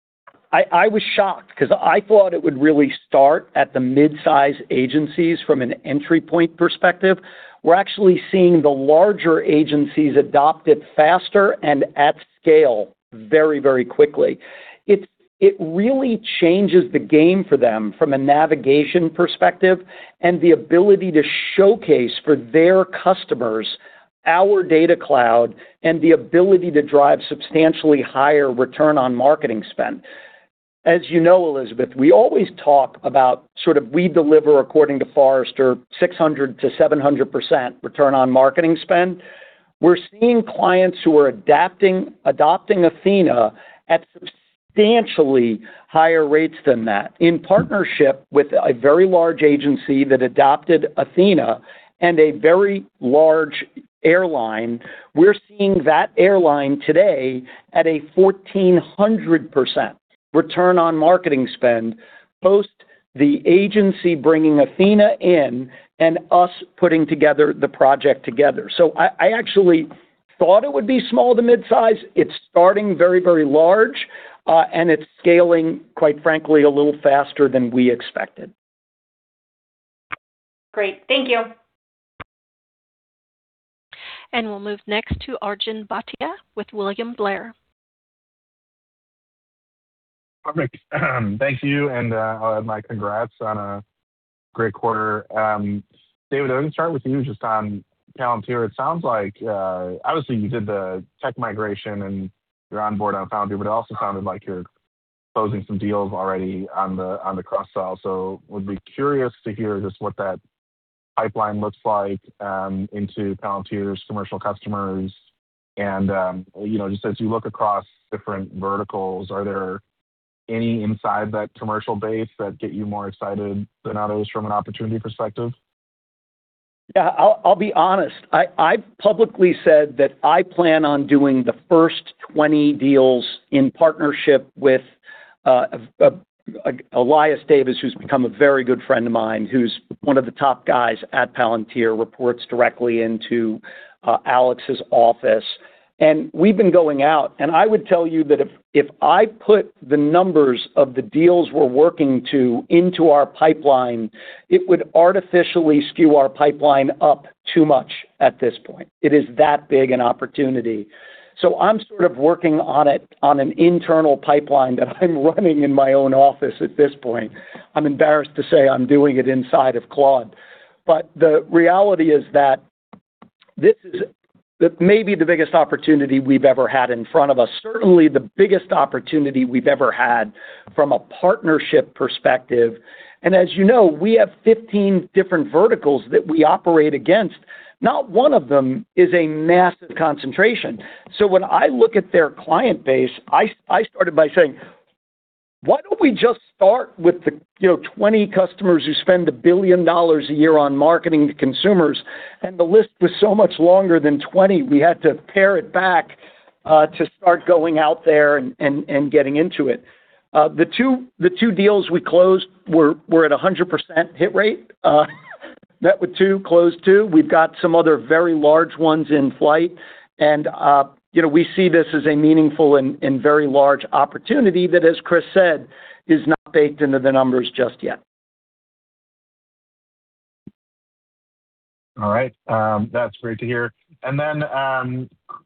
I was shocked because I thought it would really start at the mid-size agencies from an entry point perspective. We're actually seeing the larger agencies adopt it faster and at scale very quickly. It really changes the game for them from a navigation perspective and the ability to showcase for their customers our Data Cloud and the ability to drive substantially higher return on marketing spend. As you know, Elizabeth, we always talk about we deliver according to Forrester 600%-700% return on marketing spend. We're seeing clients who are adopting Athena at substantially higher rates than that. In partnership with a very large agency that adopted Athena and a very large airline, we're seeing that airline today at a 1,400% return on marketing spend, post the agency bringing Athena in and us putting together the project together. I actually thought it would be small to mid-size. It's starting very large, and it's scaling, quite frankly, a little faster than we expected. Great. Thank you. We'll move next to Arjun Bhatia with William Blair. Perfect. Thank you, my congrats on a great quarter. David, I'm going to start with you just on Palantir. It sounds like, obviously you did the tech migration and you're on board on Palantir, but it also sounded like you're closing some deals already on the cross-sell. Would be curious to hear just what that pipeline looks like into Palantir's commercial customers and, just as you look across different verticals, are there any inside that commercial base that get you more excited than others from an opportunity perspective? Yeah, I'll be honest. I publicly said that I plan on doing the first 20 deals in partnership with Elias Davis, who's become a very good friend of mine, who's one of the top guys at Palantir, reports directly into Alex's office. We've been going out, and I would tell you that if I put the numbers of the deals we're working to into our pipeline, it would artificially skew our pipeline up too much at this point. It is that big an opportunity. I'm sort of working on it on an internal pipeline that I'm running in my own office at this point. I'm embarrassed to say I'm doing it inside of Claude. The reality is that this is maybe the biggest opportunity we've ever had in front of us. Certainly the biggest opportunity we've ever had from a partnership perspective. As you know, we have 15 different verticals that we operate against. Not one of them is a massive concentration. When I look at their client base, I started by saying, "Why don't we just start with the 20 customers who spend $1 billion a year on marketing to consumers?" The list was so much longer than 20, we had to pare it back to start going out there and getting into it. The two deals we closed were at 100% hit rate. Met with two, closed two. We've got some other very large ones in flight. We see this as a meaningful and very large opportunity that, as Chris said, is not baked into the numbers just yet. All right. That's great to hear.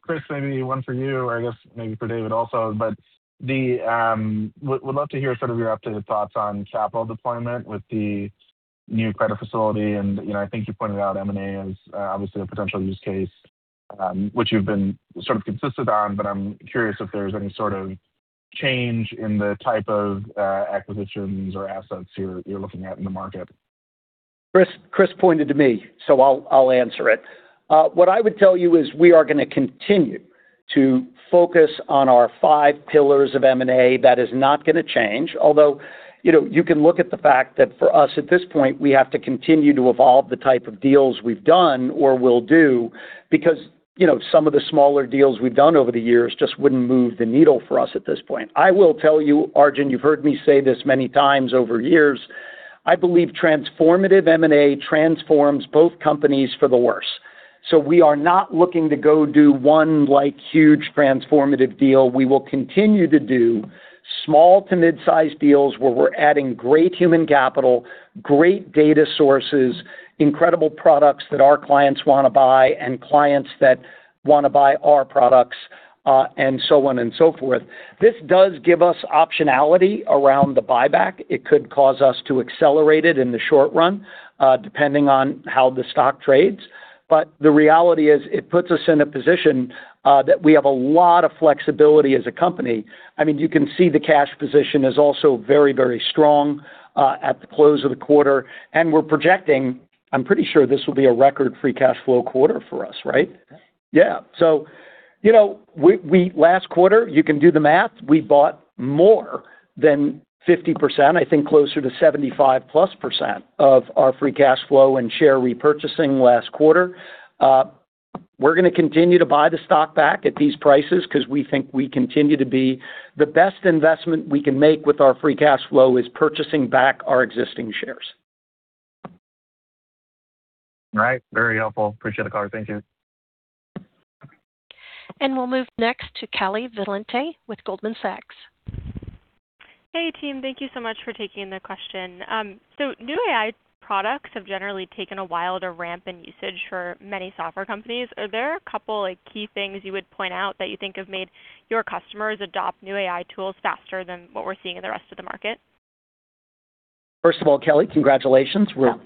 Chris, maybe one for you, or I guess maybe for David also, but would love to hear sort of your updated thoughts on capital deployment with the new credit facility. I think you pointed out M&A as obviously a potential use case, which you've been sort of consistent on, but I'm curious if there's any sort of change in the type of acquisitions or assets you're looking at in the market. Chris pointed to me, I'll answer it. What I would tell you is we are going to continue to focus on our five pillars of M&A. That is not going to change. You can look at the fact that for us at this point, we have to continue to evolve the type of deals we've done or will do because some of the smaller deals we've done over the years just wouldn't move the needle for us at this point. I will tell you, Arjun, you've heard me say this many times over years, I believe transformative M&A transforms both companies for the worse. We are not looking to go do one huge transformative deal. We will continue to do small to mid-size deals where we're adding great human capital, great data sources, incredible products that our clients want to buy and clients that want to buy our products, and so on and so forth. This does give us optionality around the buyback. It could cause us to accelerate it in the short run, depending on how the stock trades. The reality is it puts us in a position that we have a lot of flexibility as a company. You can see the cash position is also very strong at the close of the quarter, we're projecting, I'm pretty sure this will be a record free cash flow quarter for us, right? Yeah. Yeah. Last quarter, you can do the math, we bought more than 50%, I think closer to 75%+ of our free cash flow and share repurchasing last quarter. We're going to continue to buy the stock back at these prices because we think the best investment we can make with our free cash flow is purchasing back our existing shares. Right. Very helpful. Appreciate the color. Thank you. We'll move next to Callie Valenti with Goldman Sachs. Hey, team. Thank you so much for taking the question. New AI products have generally taken a while to ramp in usage for many software companies. Are there a couple key things you would point out that you think have made your customers adopt new AI tools faster than what we're seeing in the rest of the market? First of all, Callie, congratulations. We are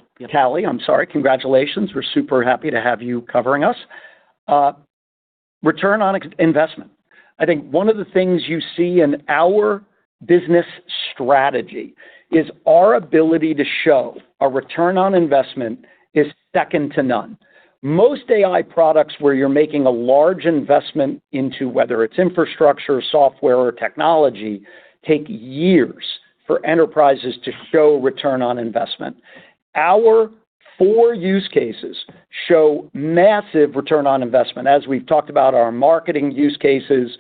super happy to have you covering us. Return on investment. I think one of the things you see in our business strategy is our ability to show a return on investment is second to none. Most AI products where you are making a large investment into, whether it is infrastructure, software, or technology, take years for enterprises to show return on investment. Our four use cases show massive return on investment. As we have talked about, our marketing use cases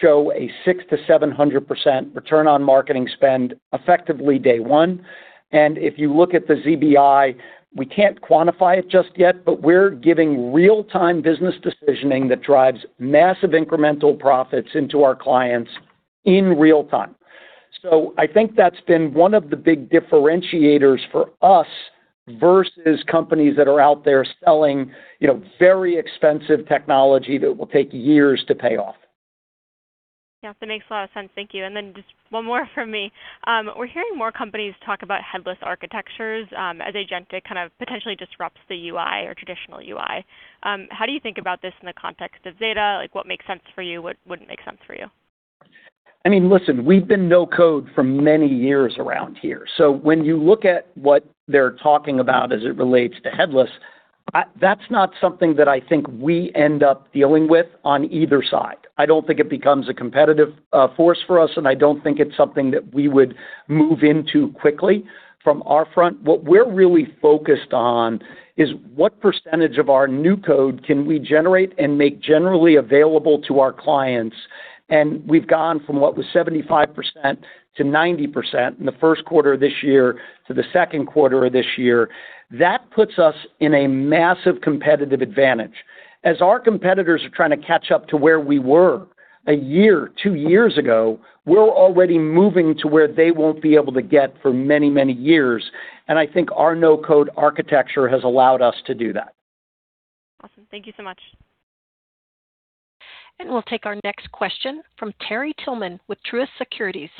show a 600%-700% return on marketing spend effectively day one. If you look at the ZBI, we cannot quantify it just yet, but we are giving real-time business decisioning that drives massive incremental profits into our clients in real time. I think that has been one of the big differentiators for us versus companies that are out there selling very expensive technology that will take years to pay off. That makes a lot of sense. Thank you. Just one more from me. We are hearing more companies talk about headless architectures as agentic potentially disrupts the UI or traditional UI. How do you think about this in the context of Zeta? What makes sense for you? What would not make sense for you? Listen, we have been no-code for many years around here. When you look at what they are talking about as it relates to headless, that is not something that I think we end up dealing with on either side. I do not think it becomes a competitive force for us, and I do not think it is something that we would move into quickly from our front. What we are really focused on is what percentage of our new code can we generate and make generally available to our clients? We have gone from what was 75%-90% in the first quarter of this year to the second quarter of this year. That puts us in a massive competitive advantage. As our competitors are trying to catch up to where we were one year, two years ago, we are already moving to where they will not be able to get for many, many years. I think our no-code architecture has allowed us to do that. Awesome. Thank you so much. We'll take our next question from Terry Tillman with Truist Securities.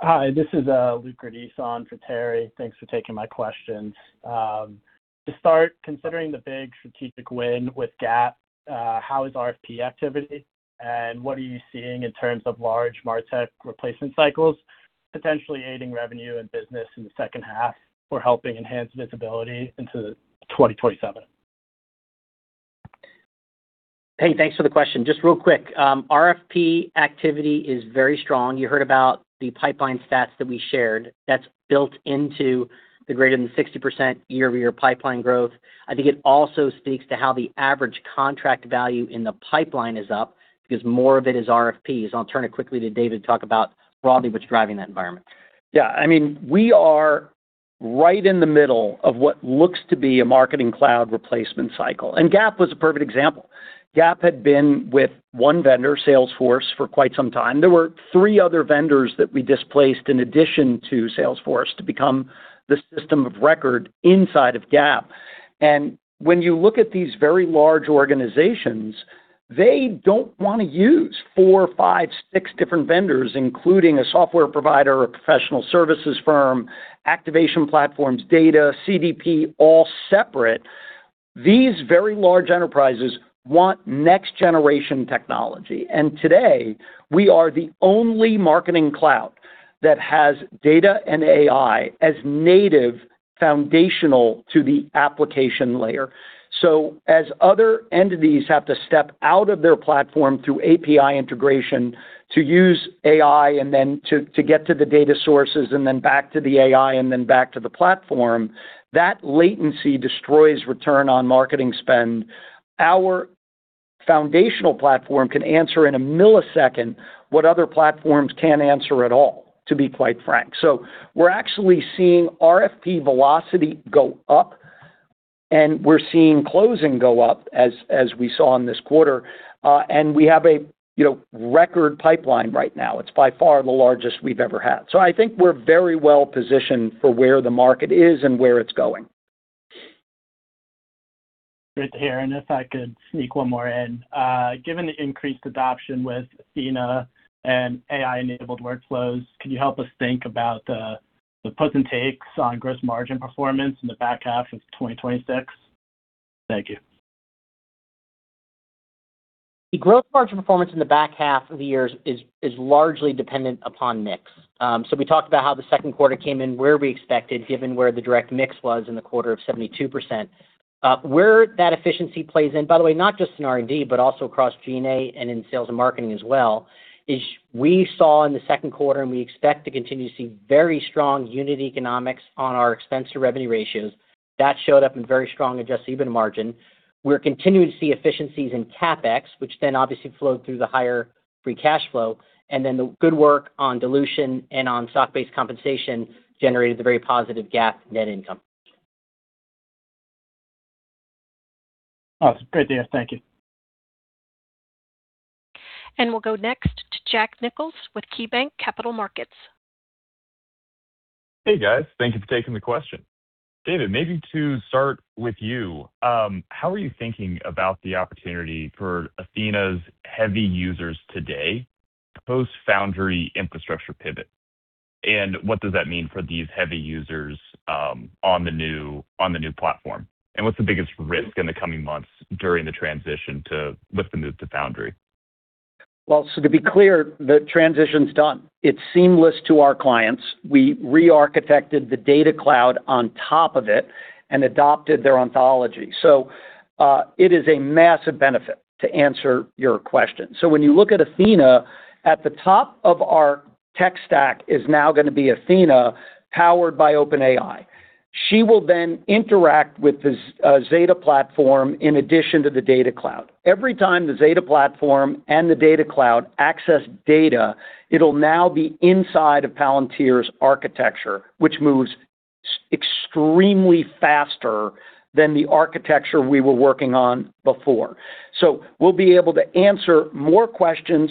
Hi, this is Luc Radice on for Terry. Thanks for taking my question. To start, considering the big strategic win with Gap, how is RFP activity and what are you seeing in terms of large MarTech replacement cycles potentially aiding revenue and business in the second half for helping enhance visibility into 2027? Hey, thanks for the question. Just real quick, RFP activity is very strong. You heard about the pipeline stats that we shared. That's built into the greater than 60% year-over-year pipeline growth. I think it also speaks to how the average contract value in the pipeline is up because more of it is RFPs. I'll turn it quickly to David to talk about broadly what's driving that environment. Yeah. We are right in the middle of what looks to be a marketing cloud replacement cycle. Gap was a perfect example. Gap had been with one vendor, Salesforce, for quite some time. There were three other vendors that we displaced in addition to Salesforce to become the system of record inside of Gap. When you look at these very large organizations, they don't want to use four, five, six different vendors, including a software provider, a professional services firm, activation platforms, data, CDP, all separate. These very large enterprises want next generation technology. Today, we are the only marketing cloud that has data and AI as native foundational to the application layer. As other entities have to step out of their platform through API integration to use AI and then to get to the data sources and then back to the AI and then back to the platform, that latency destroys return on marketing spend. Our foundational platform can answer in a millisecond what other platforms can't answer at all, to be quite frank. We're actually seeing RFP velocity go up, and we're seeing closing go up as we saw in this quarter. We have a record pipeline right now. It's by far the largest we've ever had. I think we're very well positioned for where the market is and where it's going. Great to hear. If I could sneak one more in. Given the increased adoption with Athena and AI-enabled workflows, can you help us think about the puts and takes on gross margin performance in the back half of 2026? Thank you. The gross margin performance in the back half of the year is largely dependent upon mix. We talked about how the second quarter came in where we expected, given where the direct mix was in the quarter of 72%. Where that efficiency plays in, by the way, not just in R&D, but also across G&A and in sales and marketing as well, is we saw in the second quarter, and we expect to continue to see very strong unit economics on our expense to revenue ratios. That showed up in very strong adjusted EBIT margin. We're continuing to see efficiencies in CapEx, which then obviously flowed through the higher free cash flow, and then the good work on dilution and on stock-based compensation generated the very positive GAAP net income. Awesome. Great to hear. Thank you. We'll go next to Jack Nichols with KeyBanc Capital Markets. Hey, guys. Thank you for taking the question. David, maybe to start with you, how are you thinking about the opportunity for Athena's heavy users today post-Foundry infrastructure pivot? What does that mean for these heavy users on the new platform? What's the biggest risk in the coming months during the transition with the move to Foundry? To be clear, the transition's done. It's seamless to our clients. We re-architected the Data Cloud on top of it and adopted their ontology. It is a massive benefit, to answer your question. When you look at Athena, at the top of our tech stack is now going to be Athena powered by OpenAI. She will then interact with the Zeta platform in addition to the Data Cloud. Every time the Zeta platform and the Data Cloud access data, it'll now be inside of Palantir's architecture, which moves extremely faster than the architecture we were working on before. We'll be able to answer more questions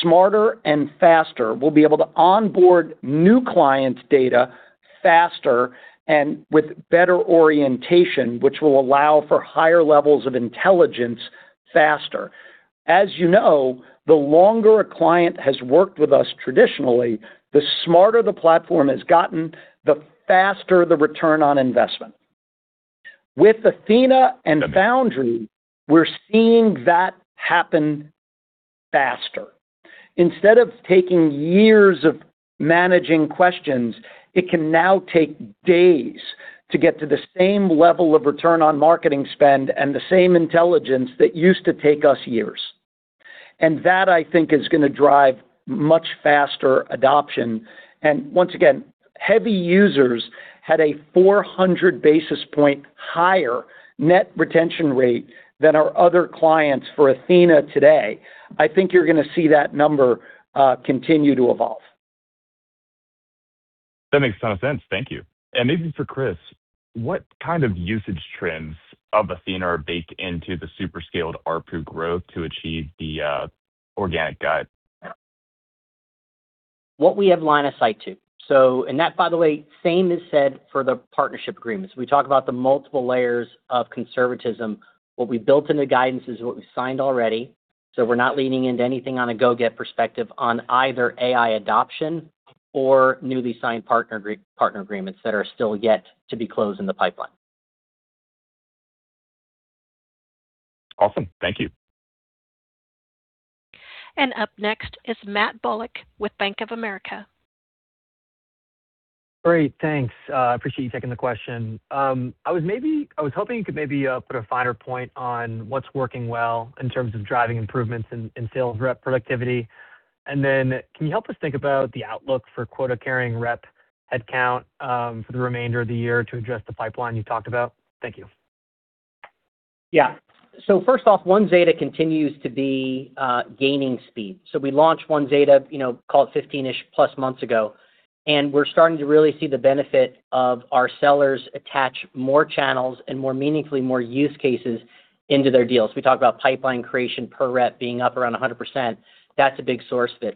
smarter and faster. We'll be able to onboard new clients' data faster and with better orientation, which will allow for higher levels of intelligence faster. As you know, the longer a client has worked with us traditionally, the smarter the platform has gotten, the faster the return on investment. With Athena and Foundry, we're seeing that happen faster. Instead of taking years of managing questions, it can now take days to get to the same level of return on marketing spend and the same intelligence that used to take us years. That, I think, is going to drive much faster adoption. Once again, heavy users had a 400 basis point higher net retention rate than our other clients for Athena today. I think you're going to see that number continue to evolve. That makes a ton of sense. Thank you. Maybe for Chris, what kind of usage trends of Athena are baked into the super scaled ARPU growth to achieve the organic guide? What we have line of sight to. That, by the way, same is said for the partnership agreements. We talk about the multiple layers of conservatism. What we built in the guidance is what we signed already. We're not leaning into anything on a go-get perspective on either AI adoption or newly signed partner agreements that are still yet to be closed in the pipeline. Awesome. Thank you. Up next is Matt Bullock with Bank of America. Great. Thanks. I appreciate you taking the question. I was hoping you could maybe put a finer point on what's working well in terms of driving improvements in sales rep productivity. Can you help us think about the outlook for quota-carrying rep headcount for the remainder of the year to address the pipeline you talked about? Thank you. Yeah. First off, One Zeta continues to be gaining speed. We launched One Zeta, call it 15-ish plus months ago, and we're starting to really see the benefit of our sellers attach more channels and more meaningfully, more use cases into their deals. We talk about pipeline creation per rep being up around 100%.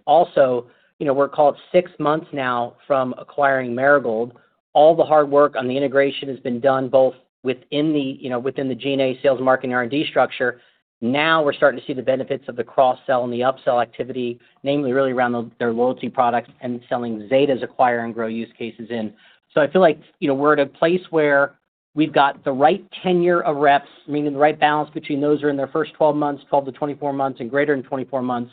Also, we're, call it six months now from acquiring Marigold. All the hard work on the integration has been done, both within the G&A sales marketing R&D structure. Now we're starting to see the benefits of the cross-sell and the up-sell activity, namely really around their loyalty products and selling Zeta's acquire and grow use cases in. I feel like we're at a place where we've got the right tenure of reps, meaning the right balance between those who are in their first 12 months, 12-24 months, and greater than 24 months,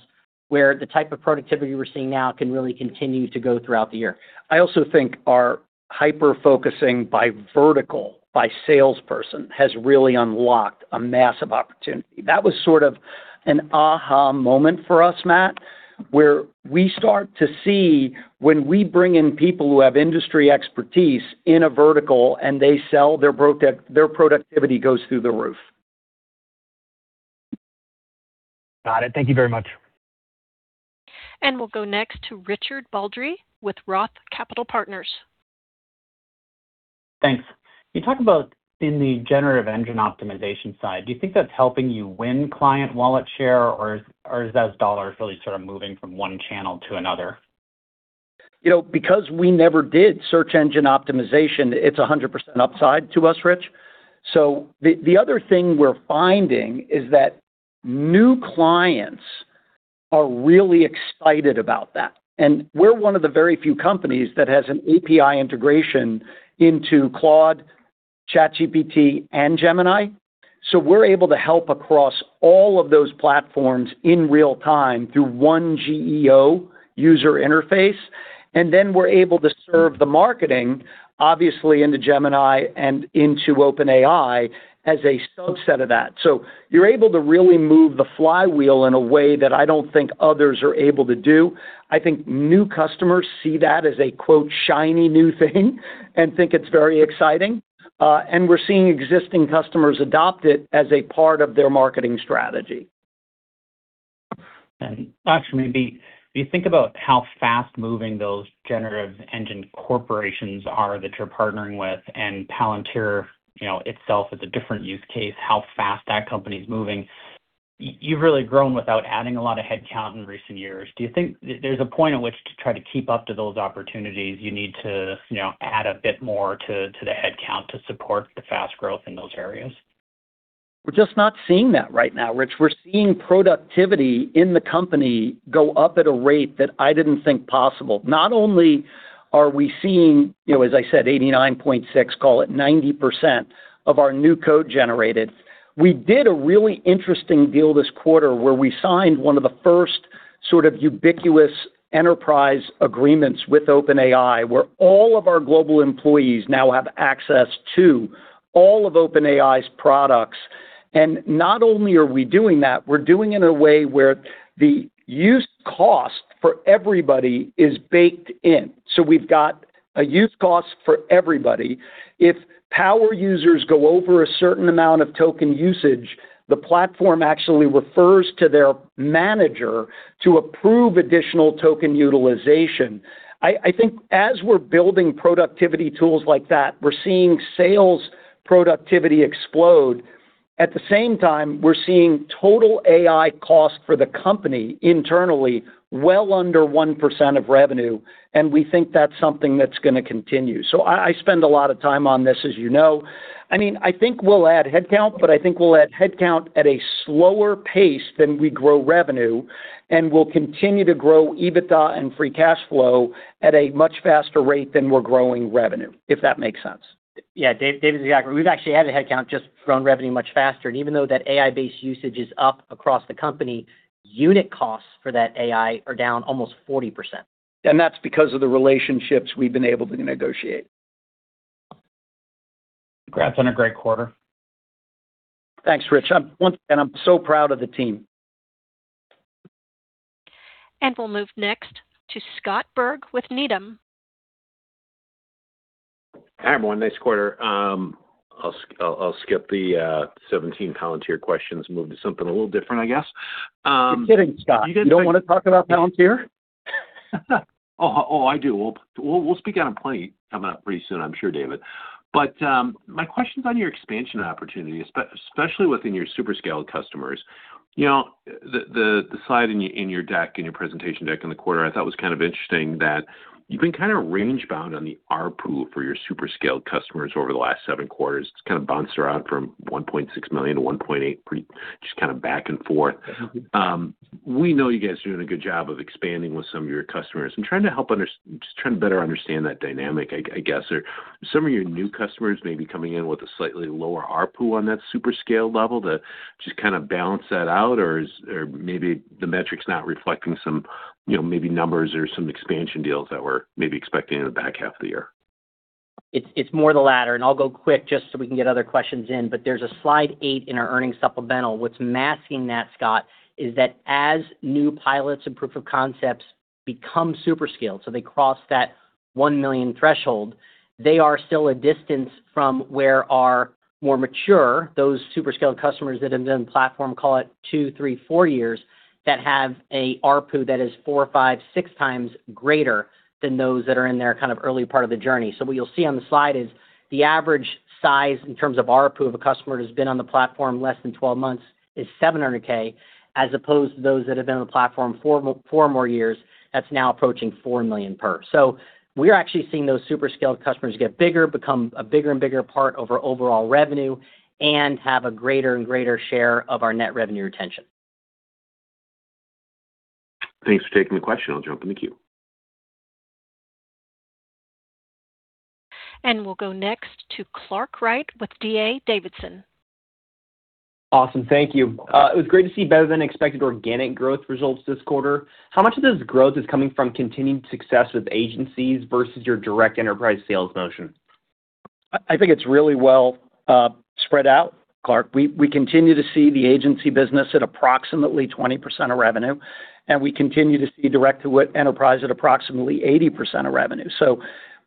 where the type of productivity we're seeing now can really continue to go throughout the year. I also think our hyper-focusing by vertical, by salesperson, has really unlocked a massive opportunity. That was sort of an aha moment for us, Matt, where we start to see when we bring in people who have industry expertise in a vertical and they sell, their productivity goes through the roof. Got it. Thank you very much. We'll go next to Richard Baldry with Roth Capital Partners. Thanks. You talk about in the generative engine optimization side, do you think that's helping you win client wallet share, or is that as dollars really sort of moving from one channel to another? We never did search engine optimization, it's 100% upside to us, Rich. The other thing we're finding is that new clients are really excited about that. We're one of the very few companies that has an API integration into Claude, ChatGPT, and Gemini. We're able to help across all of those platforms in real-time through one GEO user interface. We're able to serve the marketing, obviously, into Gemini and into OpenAI as a subset of that. You're able to really move the flywheel in a way that I don't think others are able to do. I think new customers see that as a quote, "shiny new thing," and think it's very exciting. We're seeing existing customers adopt it as a part of their marketing strategy. Actually, if you think about how fast-moving those generative engine corporations are that you're partnering with, and Palantir itself is a different use case, how fast that company's moving, you've really grown without adding a lot of headcount in recent years. Do you think there's a point in which to try to keep up to those opportunities, you need to add a bit more to the headcount to support the fast growth in those areas? We're just not seeing that right now, Rich. We're seeing productivity in the company go up at a rate that I didn't think possible. Not only are we seeing, as I said, 89.6%, call it 90% of our new code generated. We did a really interesting deal this quarter where we signed one of the first sort of ubiquitous enterprise agreements with OpenAI, where all of our global employees now have access to all of OpenAI's products. Not only are we doing that, we're doing it in a way where the use cost for everybody is baked in. We've got a use cost for everybody. If power users go over a certain amount of token usage, the platform actually refers to their manager to approve additional token utilization. I think as we're building productivity tools like that, we're seeing sales productivity explode. At the same time, we're seeing total AI cost for the company internally, well under 1% of revenue. We think that's something that's going to continue. I spend a lot of time on this, as you know. I think we'll add headcount. I think we'll add headcount at a slower pace than we grow revenue. We'll continue to grow EBITDA and free cash flow at a much faster rate than we're growing revenue, if that makes sense. Yeah, David, exactly. We've actually added headcount, just grown revenue much faster. Even though that AI-based usage is up across the company, unit costs for that AI are down almost 40%. That's because of the relationships we've been able to negotiate. Congrats on a great quarter. Thanks, Rich. Once again, I'm so proud of the team. We'll move next to Scott Berg with Needham. Hi, everyone. Nice quarter. I'll skip the 17 Palantir questions and move to something a little different, I guess. You're kidding, Scott. You don't want to talk about Palantir? Oh, I do. We'll speak on plenty coming up pretty soon, I'm sure, David. My question's on your expansion opportunity, especially within your super scaled customers. The slide in your deck, in your presentation deck in the quarter, I thought was kind of interesting that you've been range-bound on the ARPU for your super scaled customers over the last seven quarters. It's kind of bounced around from $1.6 million-$1.8 million, pretty just back and forth. We know you guys are doing a good job of expanding with some of your customers. I'm just trying to better understand that dynamic, I guess. Are some of your new customers maybe coming in with a slightly lower ARPU on that super scale level to just kind of balance that out? Maybe the metric's not reflecting some maybe numbers or some expansion deals that we're maybe expecting in the back half of the year? It's more the latter. I'll go quick just so we can get other questions in. There's a slide eight in our earnings supplemental. What's masking that, Scott, is that as new pilots and proof of concepts become super scaled, so they cross that $1 million threshold, they are still a distance from where our more mature, those super scaled customers that have been on the platform, call it two, three, four years, that have an ARPU that is four, five, six times greater than those that are in their early part of the journey. What you'll see on the slide is the average size in terms of ARPU of a customer who's been on the platform less than 12 months is $700,000, as opposed to those that have been on the platform four more years, that's now approaching $4 million per. We're actually seeing those super scaled customers get bigger, become a bigger and bigger part of our overall revenue, and have a greater and greater share of our net revenue retention. Thanks for taking the question. I'll jump in the queue. We'll go next to Clark Wright with D.A. Davidson. Awesome. Thank you. It was great to see better than expected organic growth results this quarter. How much of this growth is coming from continued success with agencies versus your direct enterprise sales motion? I think it's really well spread out, Clark. We continue to see the agency business at approximately 20% of revenue. We continue to see direct to enterprise at approximately 80% of revenue.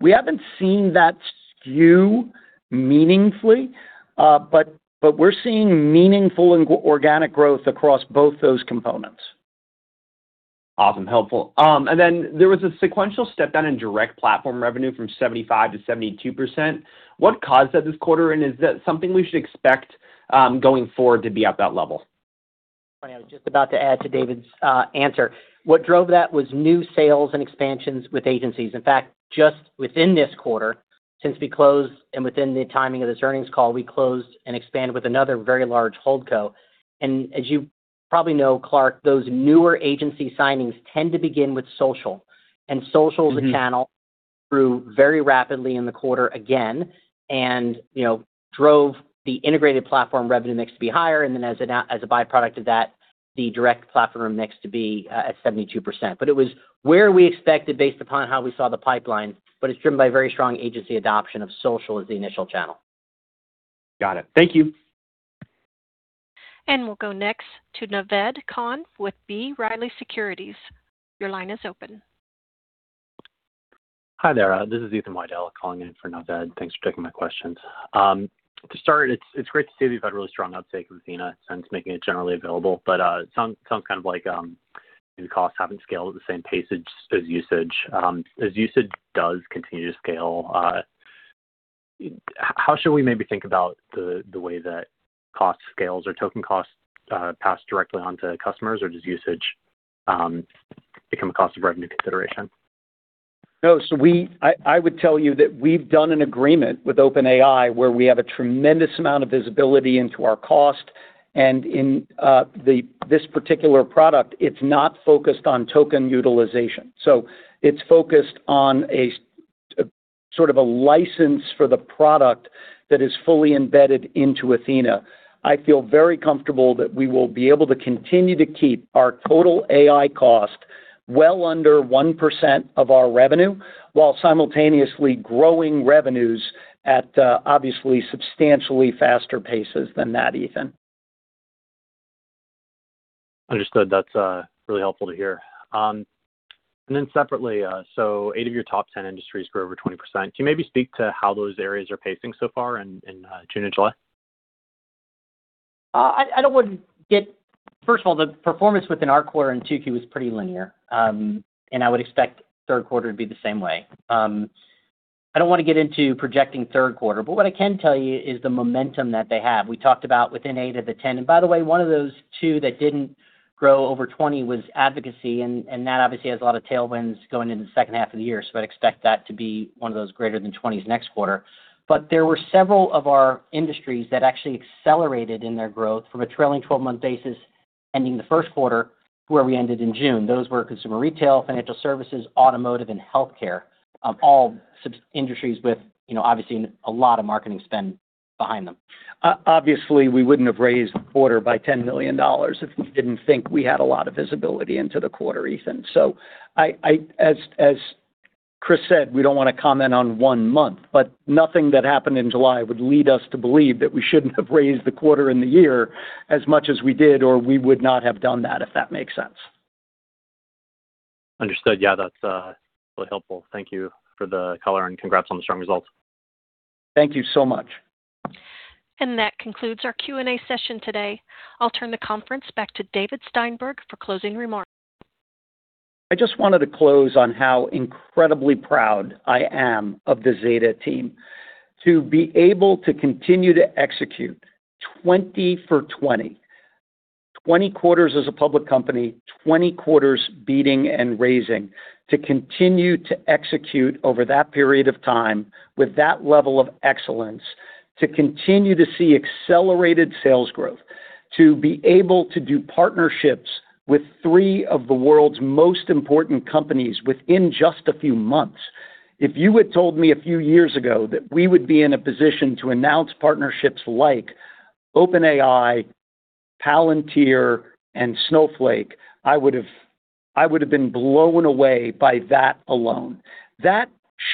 We haven't seen that skew meaningfully. We're seeing meaningful and organic growth across both those components. Awesome. Helpful. There was a sequential step down in direct platform revenue from 75%-72%. What caused that this quarter, and is that something we should expect going forward to be at that level? I was just about to add to David's answer. What drove that was new sales and expansions with agencies. In fact, just within this quarter, since we closed and within the timing of this earnings call, we closed and expanded with another very large holdco. As you probably know, Clark, those newer agency signings tend to begin with social. Social, a channel, grew very rapidly in the quarter again and drove the integrated platform revenue mix to be higher, as a byproduct of that, the direct platform mix to be at 72%. It was where we expected based upon how we saw the pipeline, it's driven by very strong agency adoption of social as the initial channel. Got it. Thank you. We'll go next to Naved Khan with B. Riley Securities. Your line is open. Hi there. This is Ethan Waddell calling in for Naved. Thanks for taking my questions. To start, it's great to see that you've had really strong uptake with Athena since making it generally available, but it sounds like the costs haven't scaled at the same pace as usage. As usage does continue to scale, how should we maybe think about the way that cost scales? Are token costs passed directly onto customers, or does usage become a cost of revenue consideration? No, I would tell you that we've done an agreement with OpenAI where we have a tremendous amount of visibility into our cost, and in this particular product, it's not focused on token utilization. It's focused on a sort of a license for the product that is fully embedded into Athena. I feel very comfortable that we will be able to continue to keep our total AI cost well under 1% of our revenue, while simultaneously growing revenues at obviously substantially faster paces than that, Ethan. Understood. That's really helpful to hear. Then separately, eight of your top 10 industries grew over 20%. Can you maybe speak to how those areas are pacing so far in June and July? First of all, the performance within our quarter in 2Q was pretty linear, and I would expect third quarter to be the same way. I don't want to get into projecting third quarter, but what I can tell you is the momentum that they have. We talked about within eight of the 10, and by the way, one of those two that didn't grow over 20 was advocacy, and that obviously has a lot of tailwinds going into the second half of the year. I'd expect that to be one of those greater than 20s next quarter. There were several of our industries that actually accelerated in their growth from a trailing 12-month basis ending the first quarter where we ended in June. Those were consumer retail, financial services, automotive, and healthcare. All industries with obviously a lot of marketing spend behind them. Obviously, we wouldn't have raised the quarter by $10 million if we didn't think we had a lot of visibility into the quarter, Ethan. As Chris said, we don't want to comment on one month, but nothing that happened in July would lead us to believe that we shouldn't have raised the quarter and the year as much as we did, or we would not have done that, if that makes sense. Understood. Yeah, that's really helpful. Thank you for the color, and congrats on the strong results. Thank you so much. That concludes our Q&A session today. I'll turn the conference back to David Steinberg for closing remarks. I just wanted to close on how incredibly proud I am of the Zeta team to be able to continue to execute 20 for 20. 20 quarters as a public company, 20 quarters beating and raising. To continue to execute over that period of time with that level of excellence, to continue to see accelerated sales growth, to be able to do partnerships with three of the world's most important companies within just a few months. If you had told me a few years ago that we would've been in a position to announce partnerships like OpenAI, Palantir, and Snowflake, I would've been blown away by that alone. That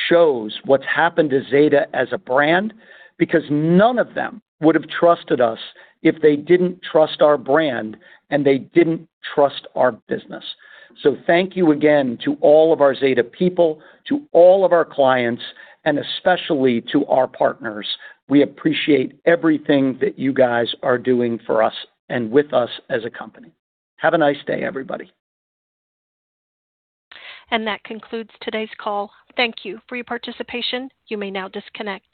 shows what's happened to Zeta as a brand because none of them would've trusted us if they didn't trust our brand and they didn't trust our business. Thank you again to all of our Zeta people, to all of our clients, and especially to our partners. We appreciate everything that you guys are doing for us and with us as a company. Have a nice day, everybody. That concludes today's call. Thank you for your participation. You may now disconnect.